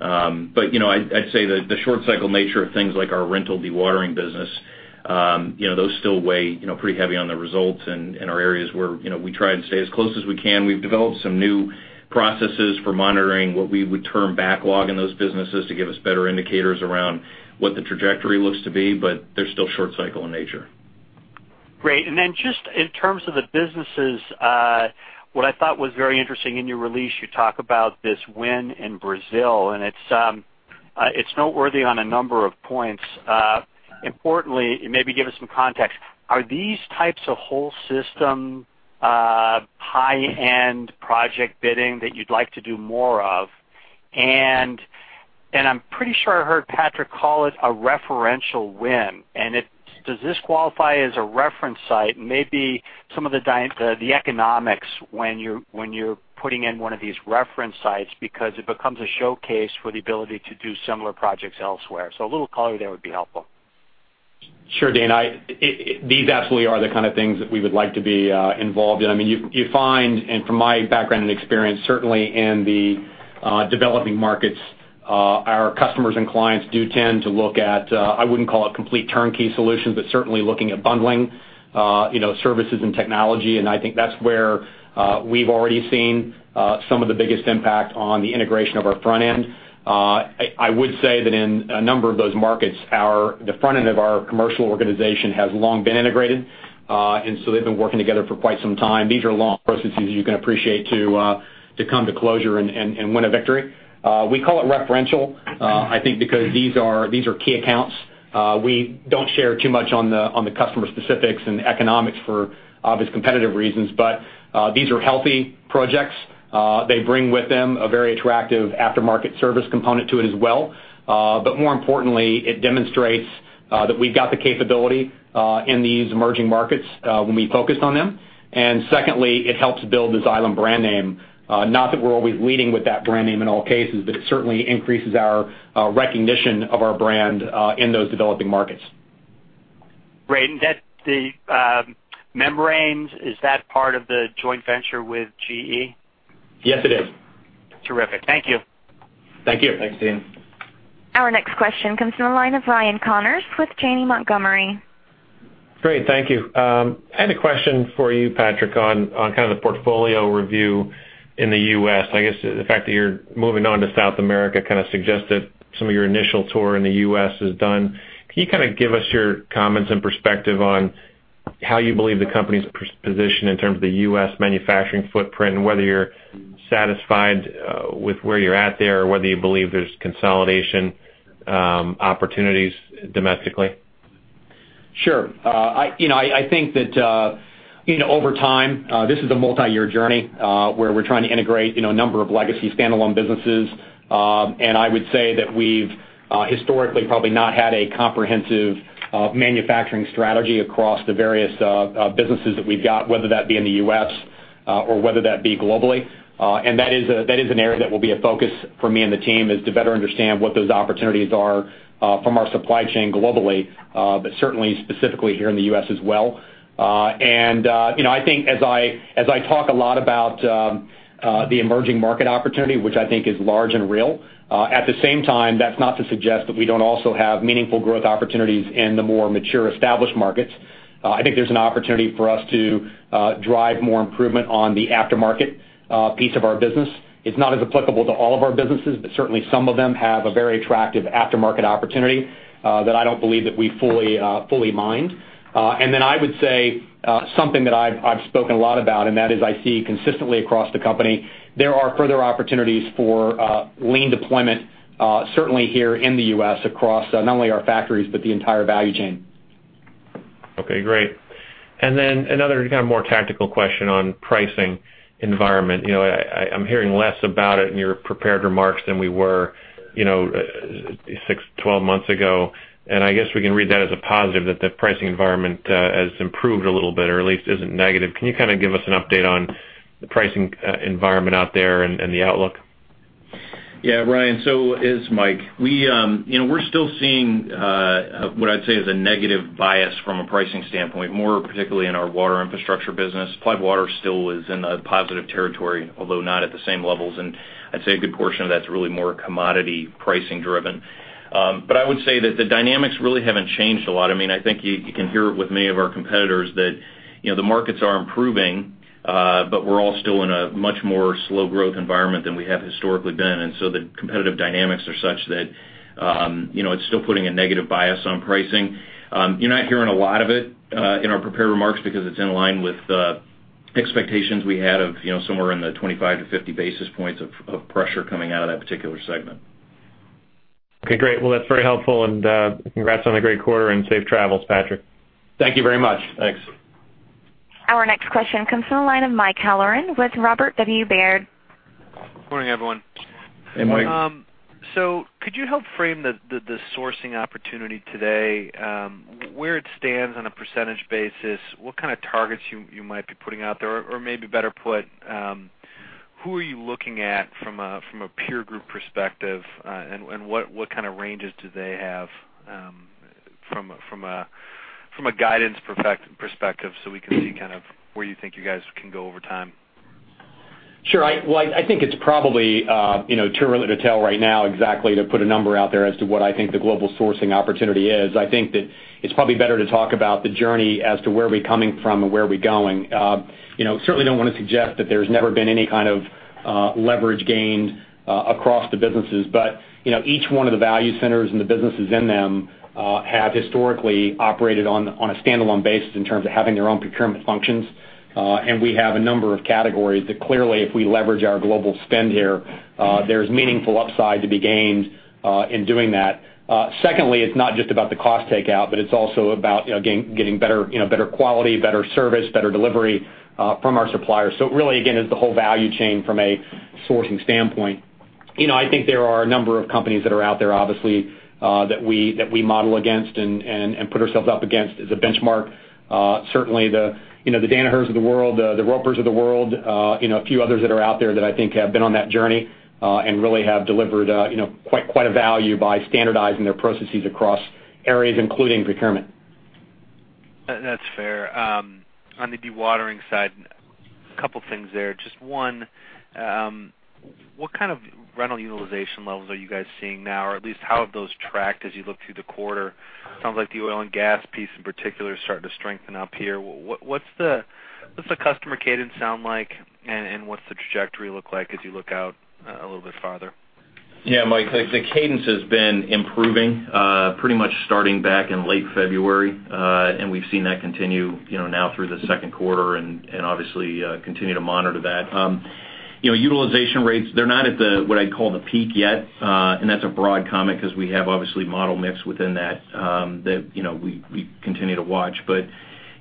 I'd say the short cycle nature of things like our rental dewatering business, those still weigh pretty heavy on the results and are areas where we try and stay as close as we can. We've developed some new processes for monitoring what we would term backlog in those businesses to give us better indicators around what the trajectory looks to be, but they're still short cycle in nature. Great. Then just in terms of the businesses, what I thought was very interesting in your release, you talk about this win in Brazil, it's noteworthy on a number of points. Importantly, and maybe give us some context, are these types of whole system high-end project bidding that you'd like to do more of? I'm pretty sure I heard Patrick call it a referential win. Does this qualify as a reference site? Maybe some of the economics when you're putting in one of these reference sites, because it becomes a showcase for the ability to do similar projects elsewhere. A little color there would be helpful. Sure, Dan. These absolutely are the kind of things that we would like to be involved in. You find, and from my background and experience, certainly in the developing markets, our customers and clients do tend to look at, I wouldn't call it complete turnkey solutions, but certainly looking at bundling services and technology. I think that's where we've already seen some of the biggest impact on the integration of our front end. I would say that in a number of those markets, the front end of our commercial organization has long been integrated. They've been working together for quite some time. These are long processes, you can appreciate, to come to closure and win a victory. We call it referential, I think, because these are key accounts. We don't share too much on the customer specifics and economics for obvious competitive reasons. These are healthy projects. They bring with them a very attractive aftermarket service component to it as well. More importantly, it demonstrates that we've got the capability in these emerging markets when we focused on them. Secondly, it helps build the Xylem brand name. Not that we're always leading with that brand name in all cases, but it certainly increases our recognition of our brand in those developing markets. Great. The membranes, is that part of the joint venture with GE? Yes, it is. Terrific. Thank you. Thank you. Thanks, Dan. Our next question comes from the line of Ryan Connors with Janney Montgomery. Great. Thank you. I had a question for you, Patrick, on kind of the portfolio review in the U.S. I guess the fact that you're moving on to South America kind of suggests that some of your initial tour in the U.S. is done. Can you kind of give us your comments and perspective on how you believe the company's positioned in terms of the U.S. manufacturing footprint and whether you're satisfied with where you're at there, or whether you believe there's consolidation opportunities domestically? Sure. I think that over time, this is a multi-year journey, where we're trying to integrate a number of legacy standalone businesses. I would say that we've historically probably not had a comprehensive manufacturing strategy across the various businesses that we've got, whether that be in the U.S. or whether that be globally. That is an area that will be a focus for me and the team is to better understand what those opportunities are from our supply chain globally, but certainly specifically here in the U.S. as well. I think as I talk a lot about the emerging market opportunity, which I think is large and real, at the same time, that's not to suggest that we don't also have meaningful growth opportunities in the more mature, established markets. I think there's an opportunity for us to drive more improvement on the aftermarket piece of our business. It's not as applicable to all of our businesses, but certainly some of them have a very attractive aftermarket opportunity that I don't believe that we fully mined. I would say something that I've spoken a lot about, and that is I see consistently across the company, there are further opportunities for lean deployment certainly here in the U.S. across not only our factories, but the entire value chain. Okay, great. Another kind of more tactical question on pricing environment. I'm hearing less about it in your prepared remarks than we were 6, 12 months ago. I guess we can read that as a positive that the pricing environment has improved a little bit or at least isn't negative. Can you kind of give us an update on the pricing environment out there and the outlook? Yeah, Ryan, so it's Mike. We're still seeing what I'd say is a negative bias from a pricing standpoint, more particularly in our Water Infrastructure business. Applied Water still is in a positive territory, although not at the same levels. I'd say a good portion of that's really more commodity pricing driven. I would say that the dynamics really haven't changed a lot. I think you can hear it with many of our competitors that the markets are improving, but we're all still in a much more slow growth environment than we have historically been. The competitive dynamics are such that it's still putting a negative bias on pricing. You're not hearing a lot of it in our prepared remarks because it's in line with expectations we had of somewhere in the 25-50 basis points of pressure coming out of that particular segment. Okay, great. Well, that's very helpful, congrats on a great quarter and safe travels, Patrick. Thank you very much. Thanks. Our next question comes from the line of Mike Halloran with Robert W. Baird. Good morning, everyone. Hey, Mike. Could you help frame the sourcing opportunity today, where it stands on a percentage basis? What kind of targets you might be putting out there? Maybe better put, who are you looking at from a peer group perspective? What kind of ranges do they have from a guidance perspective, so we can see kind of where you think you guys can go over time? Sure. Well, I think it's probably too early to tell right now exactly to put a number out there as to what I think the global sourcing opportunity is. I think that it's probably better to talk about the journey as to where we're coming from and where we're going. Certainly don't want to suggest that there's never been any kind of leverage gained across the businesses. Each one of the value centers and the businesses in them have historically operated on a standalone basis in terms of having their own procurement functions. We have a number of categories that clearly, if we leverage our global spend here, there's meaningful upside to be gained in doing that. Secondly, it's not just about the cost takeout, but it's also about getting better quality, better service, better delivery from our suppliers. It really, again, is the whole value chain from a sourcing standpoint. I think there are a number of companies that are out there, obviously, that we model against and put ourselves up against as a benchmark. Certainly the Danaher's of the world, the Roper's of the world, a few others that are out there that I think have been on that journey, and really have delivered quite a value by standardizing their processes across areas, including procurement. That's fair. On the dewatering side, a couple things there. Just one, what kind of rental utilization levels are you guys seeing now? Or at least how have those tracked as you look through the quarter? Sounds like the oil and gas piece in particular is starting to strengthen up here. What's the customer cadence sound like, and what's the trajectory look like as you look out a little bit farther? Yeah, Mike, the cadence has been improving pretty much starting back in late February. We've seen that continue now through the second quarter and obviously continue to monitor that. Utilization rates, they're not at what I'd call the peak yet. That's a broad comment because we have obviously model mix within that we continue to watch. But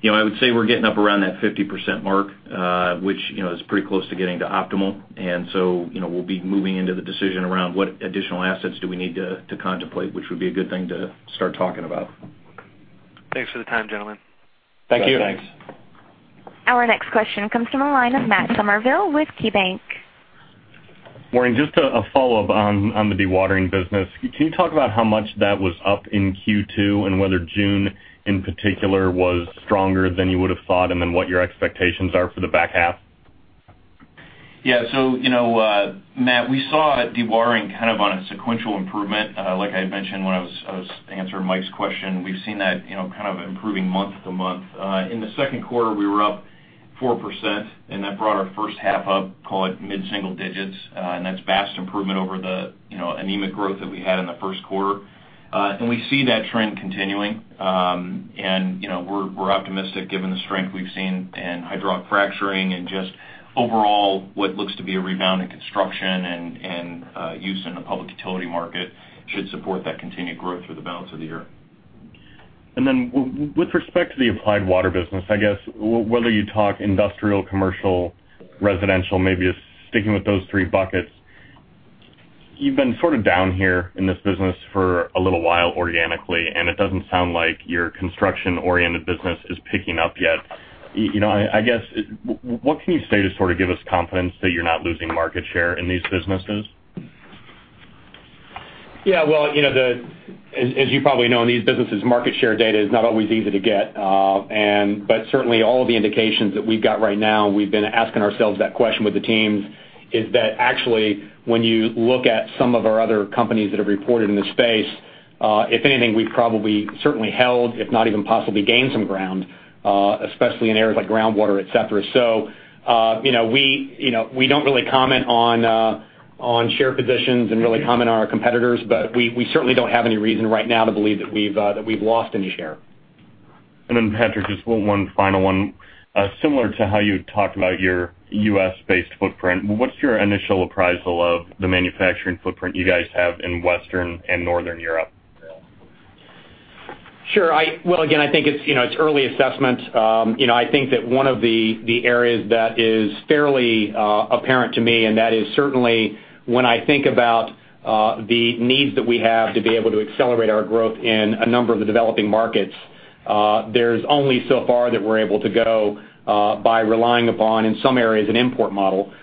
I would say we're getting up around that 50% mark, which is pretty close to getting to optimal. So, we'll be moving into the decision around what additional assets do we need to contemplate, which would be a good thing to start talking about. Thanks for the time, gentlemen. Thank you. Our next question comes from the line of Matt Summerville with KeyBank. Morning. Just a follow-up on the dewatering business. Can you talk about how much that was up in Q2, whether June in particular was stronger than you would've thought, what your expectations are for the back half? Yeah. Matt, we saw dewatering kind of on a sequential improvement. Like I had mentioned when I was answering Mike's question, we've seen that kind of improving month to month. In the second quarter, we were up 4%, that brought our first half up, call it mid-single digits. That's vast improvement over the anemic growth that we had in the first quarter. We see that trend continuing. We're optimistic given the strength we've seen in hydraulic fracturing and just overall what looks to be a rebound in construction and use in the public utility market should support that continued growth through the balance of the year. With respect to the Applied Water business, I guess whether you talk industrial, commercial, residential, maybe sticking with those three buckets, you've been sort of down here in this business for a little while organically, it doesn't sound like your construction oriented business is picking up yet. I guess, what can you say to sort of give us confidence that you're not losing market share in these businesses? Yeah. Well, as you probably know, in these businesses, market share data is not always easy to get. Certainly all of the indications that we've got right now, we've been asking ourselves that question with the teams is that actually, when you look at some of our other companies that have reported in the space, if anything, we've probably certainly held, if not even possibly gained some ground, especially in areas like groundwater, et cetera. We don't really comment on share positions and really comment on our competitors, but we certainly don't have any reason right now to believe that we've lost any share. Patrick, just one final one. Similar to how you talked about your U.S.-based footprint, what's your initial appraisal of the manufacturing footprint you guys have in Western and Northern Europe? Sure. Well, again, I think it's early assessment. I think that one of the areas that is fairly apparent to me, and that is certainly when I think about the needs that we have to be able to accelerate our growth in a number of the developing markets There's only so far that we're able to go by relying upon, in some areas, an import model.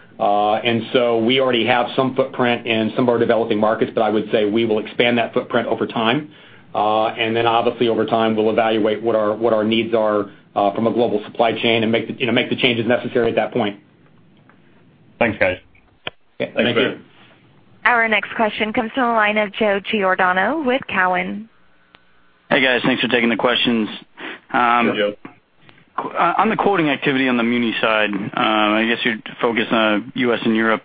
We already have some footprint in some of our developing markets, but I would say we will expand that footprint over time. Obviously, over time, we'll evaluate what our needs are from a global supply chain and make the changes necessary at that point. Thanks, guys. Yeah. Thank you. Thank you. Our next question comes from the line of Joe Giordano with Cowen. Hey, guys. Thanks for taking the questions. Hey, Joe. On the quoting activity on the muni side, I guess you're focused on U.S. and Europe.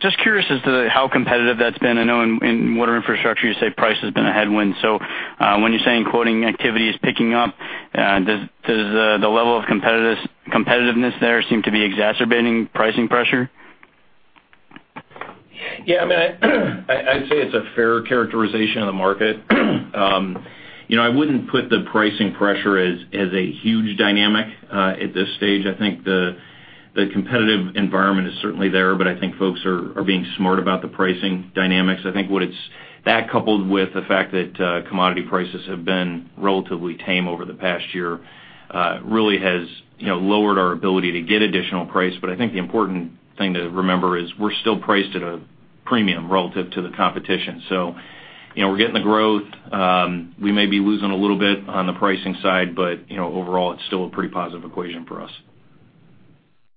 Just curious as to how competitive that's been. I know in Water Infrastructure you say price has been a headwind. When you're saying quoting activity is picking up, does the level of competitiveness there seem to be exacerbating pricing pressure? Yeah, I'd say it's a fair characterization of the market. I wouldn't put the pricing pressure as a huge dynamic at this stage. I think the competitive environment is certainly there, but I think folks are being smart about the pricing dynamics. I think that coupled with the fact that commodity prices have been relatively tame over the past year, really has lowered our ability to get additional price. I think the important thing to remember is we're still priced at a premium relative to the competition. We're getting the growth. We may be losing a little bit on the pricing side, but overall, it's still a pretty positive equation for us.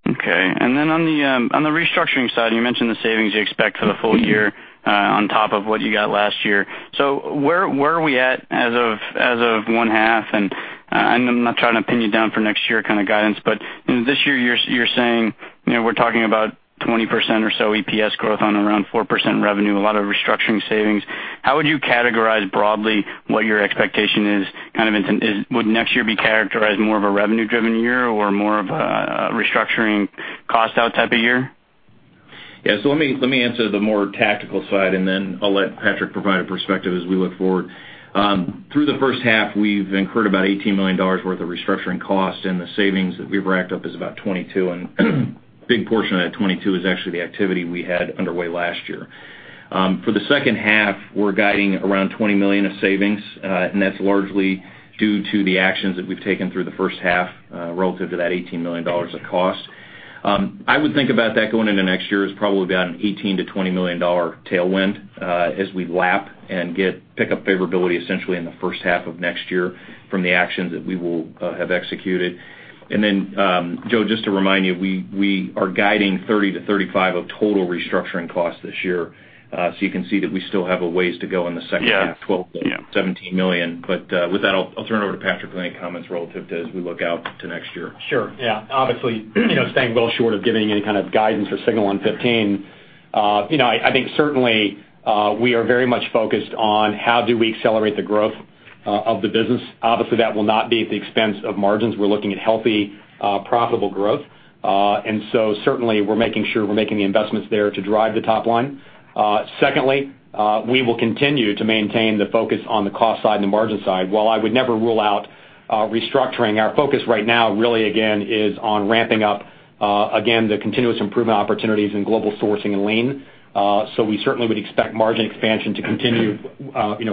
Okay. Then on the restructuring side, you mentioned the savings you expect for the full year, on top of what you got last year. Where are we at as of one half? I'm not trying to pin you down for next year kind of guidance, but this year you're saying, we're talking about 20% or so EPS growth on around 4% revenue, a lot of restructuring savings. How would you categorize broadly what your expectation is? Would next year be characterized more of a revenue-driven year or more of a restructuring cost-out type of year? Yeah. Let me answer the more tactical side, and then I'll let Patrick provide a perspective as we look forward. Through the first half, we've incurred about $18 million worth of restructuring costs, and the savings that we've racked up is about $22 million, and big portion of that $22 million is actually the activity we had underway last year. For the second half, we're guiding around $20 million of savings, and that's largely due to the actions that we've taken through the first half, relative to that $18 million of cost. I would think about that going into next year as probably about an $18 million-$20 million tailwind, as we lap and get pickup favorability essentially in the first half of next year from the actions that we will have executed. Then, Joe, just to remind you, we are guiding $30 million-$35 million of total restructuring costs this year. You can see that we still have a ways to go in the second half. Yeah $12 million-$17 million. With that, I'll turn it over to Patrick for any comments relative to as we look out to next year. Sure, yeah. Obviously, staying well short of giving any kind of guidance or signal on 2015. I think certainly, we are very much focused on how do we accelerate the growth of the business. Obviously, that will not be at the expense of margins. We're looking at healthy, profitable growth. Certainly, we're making sure we're making the investments there to drive the top line. Secondly, we will continue to maintain the focus on the cost side and the margin side. While I would never rule out restructuring, our focus right now really again, is on ramping up, again, the continuous improvement opportunities in global sourcing and lean. We certainly would expect margin expansion to continue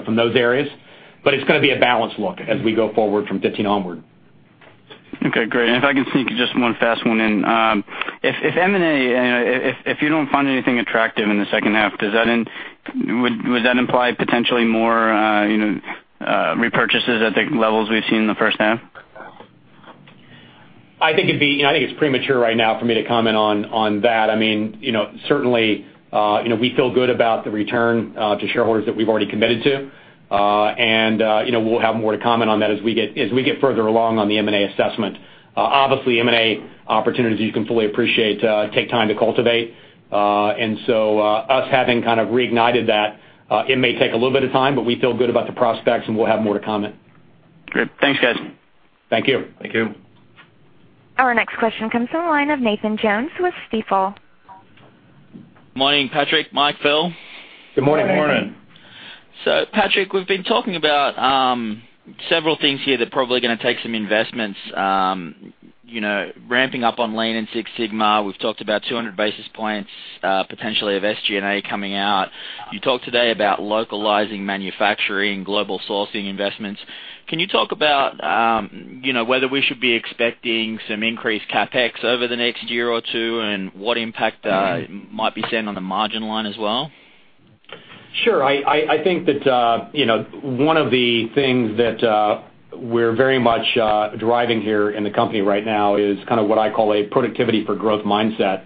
from those areas, but it's going to be a balanced look as we go forward from 2015 onward. Okay, great. If I can sneak just one fast one in. If M&A, if you don't find anything attractive in the second half, would that imply potentially more repurchases at the levels we've seen in the first half? I think it's premature right now for me to comment on that. Certainly, we feel good about the return to shareholders that we've already committed to. We'll have more to comment on that as we get further along on the M&A assessment. Obviously, M&A opportunities, you can fully appreciate, take time to cultivate. Us having kind of reignited that, it may take a little bit of time, but we feel good about the prospects and we'll have more to comment. Great. Thanks, guys. Thank you. Thank you. Our next question comes from the line of Nathan Jones with Stifel. Morning, Patrick, Mike, Phil. Good morning. Morning. Patrick, we've been talking about several things here that are probably going to take some investments. Ramping up on Lean Six Sigma, we've talked about 200 basis points, potentially of SG&A coming out. You talked today about localizing manufacturing, global sourcing investments. Can you talk about whether we should be expecting some increased CapEx over the next year or two, and what impact that might be seen on the margin line as well? Sure. I think that one of the things that we're very much driving here in the company right now is kind of what I call a productivity for growth mindset.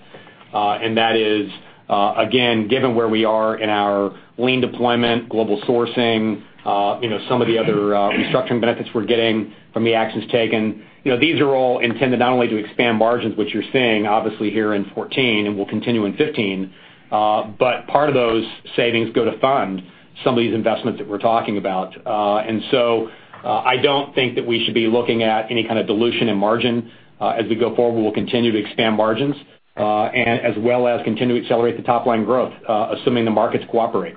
That is, again, given where we are in our Lean deployment, global sourcing, some of the other restructuring benefits we're getting from the actions taken. These are all intended not only to expand margins, which you're seeing obviously here in 2014, and will continue in 2015. Part of those savings go to fund some of these investments that we're talking about. I don't think that we should be looking at any kind of dilution in margin. As we go forward, we'll continue to expand margins, as well as continue to accelerate the top-line growth, assuming the markets cooperate.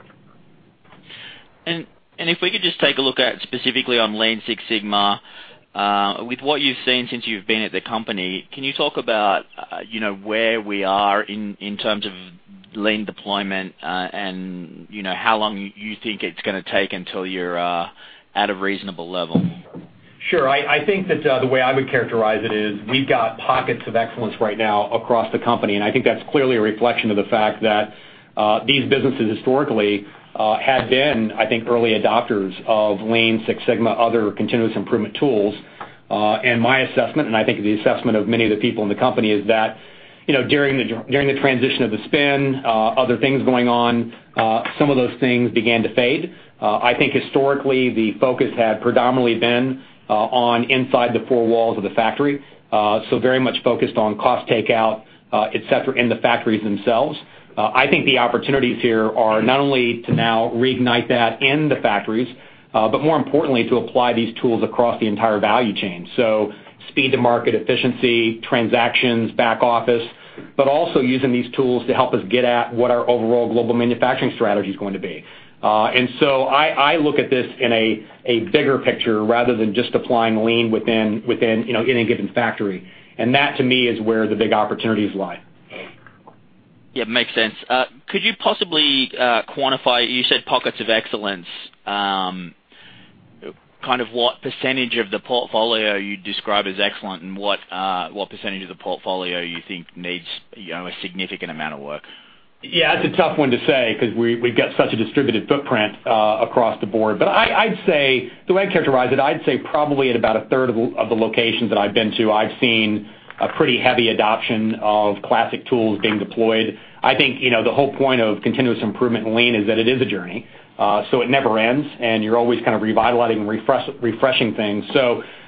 If we could just take a look at specifically on Lean Six Sigma With what you've seen since you've been at the company, can you talk about where we are in terms of Lean deployment? How long you think it's going to take until you're at a reasonable level? Sure. I think that the way I would characterize it is we've got pockets of excellence right now across the company, and I think that's clearly a reflection of the fact that these businesses historically had been, I think, early adopters of Lean Six Sigma, other continuous improvement tools. My assessment, and I think the assessment of many of the people in the company, is that during the transition of the spin, other things going on, some of those things began to fade. I think historically, the focus had predominantly been on inside the four walls of the factory, so very much focused on cost takeout, et cetera, in the factories themselves. I think the opportunities here are not only to now reignite that in the factories, but more importantly, to apply these tools across the entire value chain. Speed to market, efficiency, transactions, back office, but also using these tools to help us get at what our overall global manufacturing strategy is going to be. I look at this in a bigger picture rather than just applying lean within any given factory. That to me is where the big opportunities lie. Yeah, makes sense. Could you possibly quantify, you said pockets of excellence, what percentage of the portfolio you describe as excellent and what percentage of the portfolio you think needs a significant amount of work? Yeah, that's a tough one to say because we've got such a distributed footprint across the board. The way I'd characterize it, I'd say probably at about a third of the locations that I've been to, I've seen a pretty heavy adoption of classic tools being deployed. I think, the whole point of continuous improvement in lean is that it is a journey. It never ends, and you're always kind of revitalizing and refreshing things.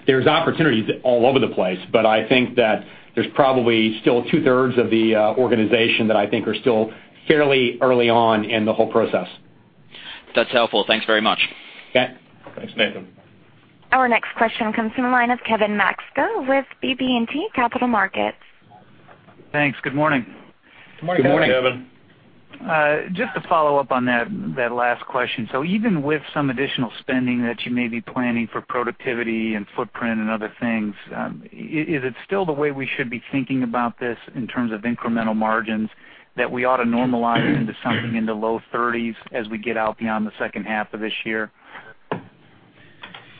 There's opportunities all over the place. I think that there's probably still two-thirds of the organization that I think are still fairly early on in the whole process. That's helpful. Thanks very much. Okay. Thanks, Nathan. Our next question comes from the line of Kevin Max with BB&T Capital Markets. Thanks. Good morning. Good morning, Kevin. Good morning. Just to follow up on that last question. Even with some additional spending that you may be planning for productivity and footprint and other things, is it still the way we should be thinking about this in terms of incremental margins, that we ought to normalize into something in the low 30s as we get out beyond the second half of this year?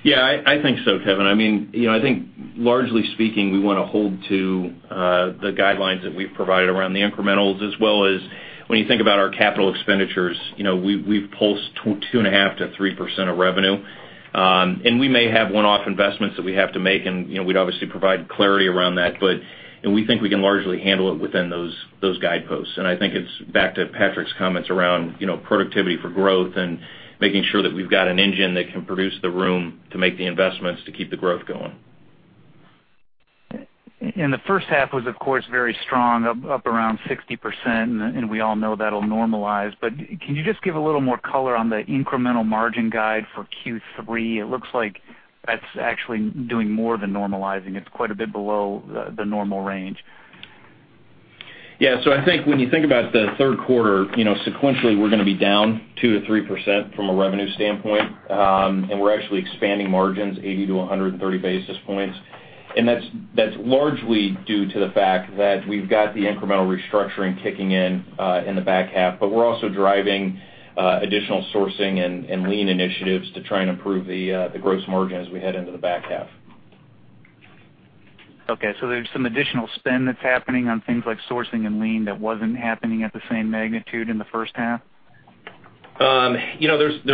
Yeah, I think so, Kevin. I think largely speaking, we want to hold to the guidelines that we've provided around the incrementals, as well as when you think about our capital expenditures, we've pulsed 2.5%-3% of revenue. We may have one-off investments that we have to make, and we'd obviously provide clarity around that. We think we can largely handle it within those guideposts. I think it's back to Patrick's comments around productivity for growth and making sure that we've got an engine that can produce the room to make the investments to keep the growth going. The first half was, of course, very strong, up around 60%, and we all know that'll normalize. Can you just give a little more color on the incremental margin guide for Q3? It looks like that's actually doing more than normalizing. It's quite a bit below the normal range. Yeah. I think when you think about the third quarter, sequentially, we're going to be down 2% to 3% from a revenue standpoint. We're actually expanding margins 80 to 130 basis points. That's largely due to the fact that we've got the incremental restructuring kicking in the back half. We're also driving additional sourcing and Lean initiatives to try and improve the gross margin as we head into the back half. Okay, there's some additional spend that's happening on things like sourcing and Lean that wasn't happening at the same magnitude in the first half? There's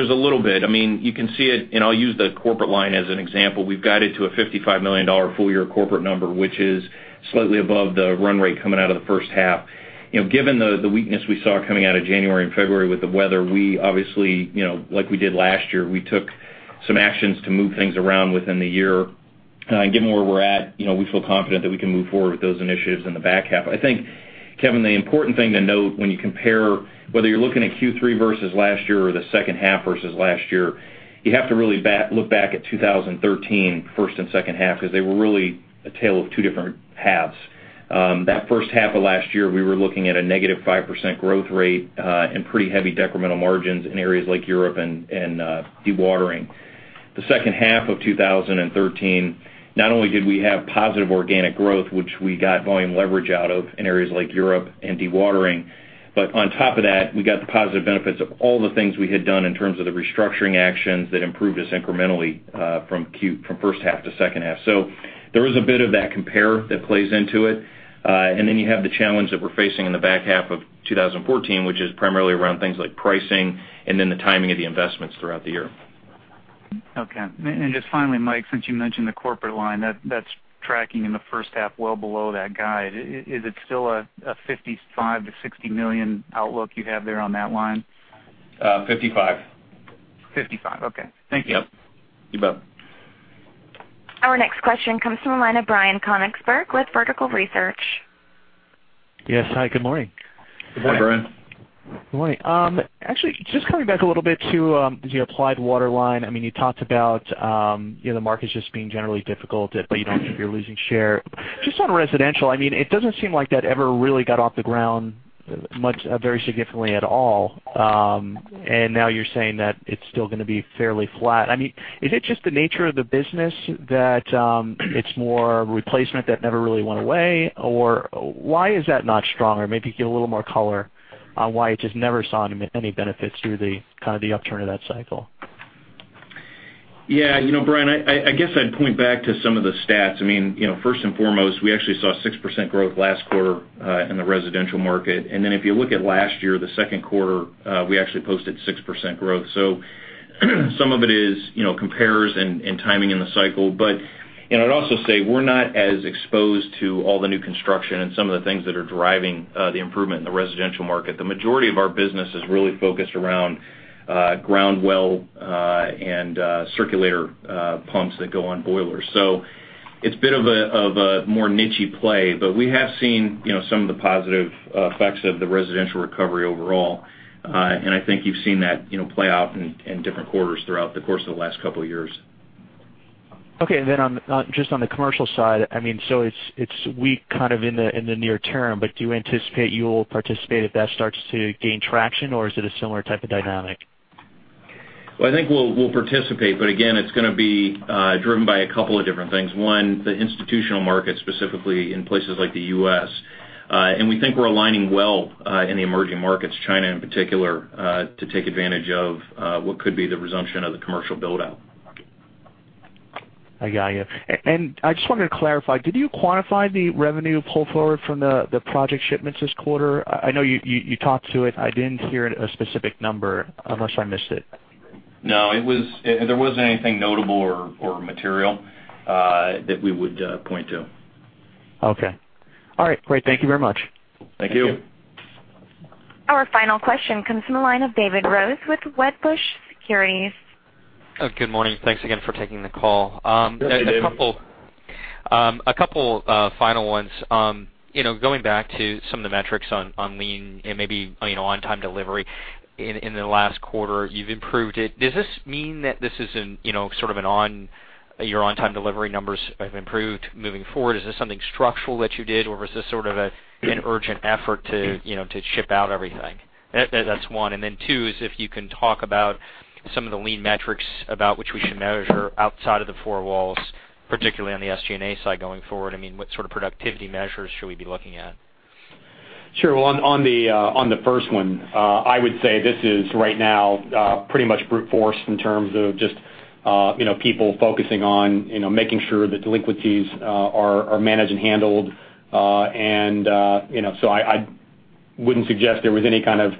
a little bit. You can see it, I'll use the corporate line as an example. We've guided to a $55 million full-year corporate number, which is slightly above the run rate coming out of the first half. Given the weakness we saw coming out of January and February with the weather, we obviously, like we did last year, we took some actions to move things around within the year. Given where we're at, we feel confident that we can move forward with those initiatives in the back half. I think, Kevin, the important thing to note when you compare whether you're looking at Q3 versus last year or the second half versus last year, you have to really look back at 2013, first and second half, because they were really a tale of two different halves. That first half of last year, we were looking at a negative 5% growth rate and pretty heavy decremental margins in areas like Europe and dewatering. The second half of 2013, not only did we have positive organic growth, which we got volume leverage out of in areas like Europe and dewatering, but on top of that, we got the positive benefits of all the things we had done in terms of the restructuring actions that improved us incrementally from first half to second half. There is a bit of that compare that plays into it. You have the challenge that we're facing in the back half of 2014, which is primarily around things like pricing and then the timing of the investments throughout the year. Okay. Just finally, Mike, since you mentioned the corporate line, that's tracking in the first half well below that guide. Is it still a $55 million-$60 million outlook you have there on that line? Fifty-five. 55. Okay. Thank you. Yep. You bet. Our next question comes from the line of Brian Konigsberg with Vertical Research. Yes. Hi, good morning. Good morning. Hi, Brian. Right. Actually, just coming back a little bit to the Applied Water line. You talked about the market just being generally difficult, but you don't think you're losing share. Just on residential, it doesn't seem like that ever really got off the ground much, very significantly at all. Now you're saying that it's still going to be fairly flat. Is it just the nature of the business that it's more replacement that never really went away? Why is that not stronger? Maybe give a little more color on why it just never saw any benefit through the upturn of that cycle. Yeah. Brian, I guess I'd point back to some of the stats. First and foremost, we actually saw 6% growth last quarter in the residential market. If you look at last year, the second quarter, we actually posted 6% growth. Some of it is compares and timing in the cycle. I'd also say we're not as exposed to all the new construction and some of the things that are driving the improvement in the residential market. The majority of our business is really focused around ground well and circulator pumps that go on boilers. It's a bit of a more niche-y play, but we have seen some of the positive effects of the residential recovery overall. I think you've seen that play out in different quarters throughout the course of the last couple of years. Okay, just on the commercial side, it's weak kind of in the near term, do you anticipate you'll participate if that starts to gain traction, or is it a similar type of dynamic? Well, I think we'll participate, but again, it's going to be driven by a couple of different things. One, the institutional market, specifically in places like the U.S. We think we're aligning well in the emerging markets, China in particular, to take advantage of what could be the resumption of the commercial build-out. I got you. I just wanted to clarify, did you quantify the revenue pull forward from the project shipments this quarter? I know you talked to it. I didn't hear a specific number, unless I missed it. No, there wasn't anything notable or material that we would point to. Okay. All right, great. Thank you very much. Thank you. Thank you. Our final question comes from the line of David Rose with Wedbush Securities. Good morning. Thanks again for taking the call. Good morning, David. A couple final ones. Going back to some of the metrics on lean and maybe on-time delivery. In the last quarter, you've improved it. Does this mean that your on-time delivery numbers have improved moving forward? Is this something structural that you did, or was this sort of an urgent effort to ship out everything? That's one. Two is if you can talk about some of the lean metrics about which we should measure outside of the four walls, particularly on the SG&A side going forward. What sort of productivity measures should we be looking at? Sure. On the first one, I would say this is right now pretty much brute force in terms of just people focusing on making sure that delinquencies are managed and handled. I wouldn't suggest there was any kind of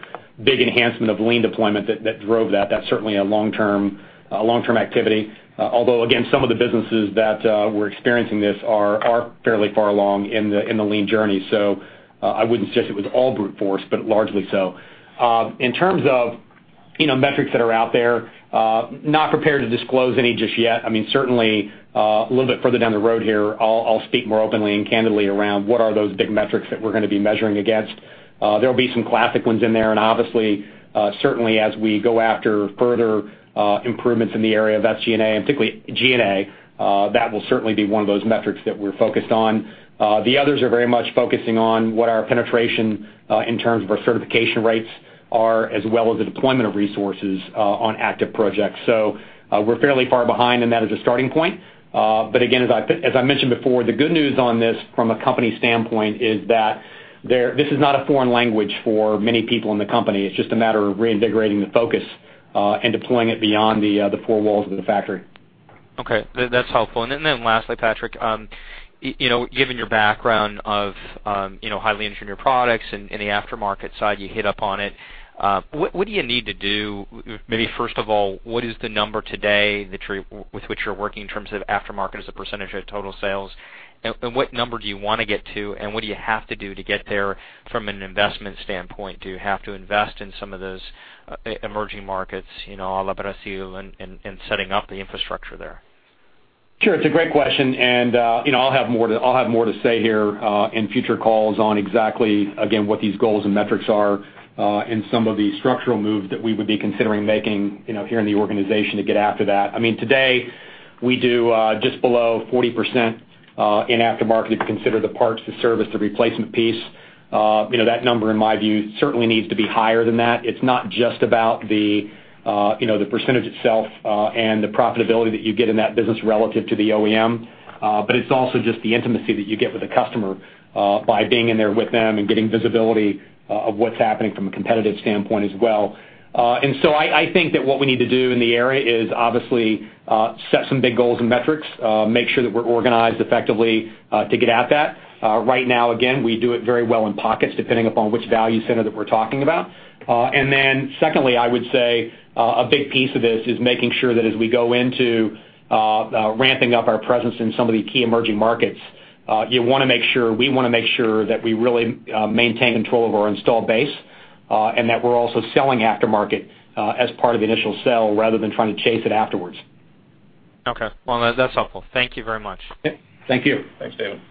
big enhancement of lean deployment that drove that. That's certainly a long-term activity. Although, again, some of the businesses that were experiencing this are fairly far along in the lean journey. I wouldn't suggest it was all brute force, but largely so. In terms of metrics that are out there, not prepared to disclose any just yet. Certainly, a little bit further down the road here, I'll speak more openly and candidly around what are those big metrics that we're going to be measuring against. There'll be some classic ones in there, and obviously, certainly as we go after further improvements in the area of SG&A, and particularly G&A, that will certainly be one of those metrics that we're focused on. The others are very much focusing on what our penetration in terms of our certification rates are, as well as the deployment of resources on active projects. We're fairly far behind, and that is a starting point. Again, as I mentioned before, the good news on this from a company standpoint is that this is not a foreign language for many people in the company. It's just a matter of reinvigorating the focus and deploying it beyond the four walls of the factory. Okay. That's helpful. Lastly, Patrick, given your background of highly engineered products and the aftermarket side, you hit upon it. What do you need to do? Maybe first of all, what is the number today with which you're working in terms of aftermarket as a percentage of total sales? What number do you want to get to, and what do you have to do to get there from an investment standpoint? Do you have to invest in some of those emerging markets a la Brazil and setting up the infrastructure there? Sure, it's a great question, and I'll have more to say here in future calls on exactly, again, what these goals and metrics are and some of the structural moves that we would be considering making here in the organization to get after that. Today, we do just below 40% in aftermarket if you consider the parts, the service, the replacement piece. That number, in my view, certainly needs to be higher than that. It's not just about the percentage itself and the profitability that you get in that business relative to the OEM, but it's also just the intimacy that you get with a customer by being in there with them and getting visibility of what's happening from a competitive standpoint as well. I think that what we need to do in the area is obviously set some big goals and metrics, make sure that we're organized effectively to get at that. Right now, again, we do it very well in pockets, depending upon which value center that we're talking about. Secondly, I would say a big piece of this is making sure that as we go into ramping up our presence in some of the key emerging markets, we want to make sure that we really maintain control of our installed base and that we're also selling aftermarket as part of the initial sell rather than trying to chase it afterwards. Okay. Well, that's helpful. Thank you very much. Thank you. Thanks, David.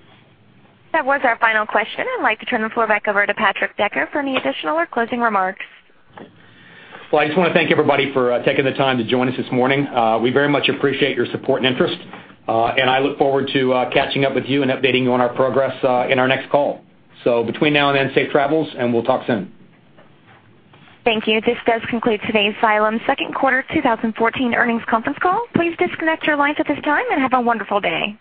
That was our final question. I'd like to turn the floor back over to Patrick Decker for any additional or closing remarks. Well, I just want to thank everybody for taking the time to join us this morning. We very much appreciate your support and interest, and I look forward to catching up with you and updating you on our progress in our next call. Between now and then, safe travels, and we'll talk soon. Thank you. This does conclude today's Xylem Second Quarter 2014 Earnings Conference Call. Please disconnect your lines at this time and have a wonderful day.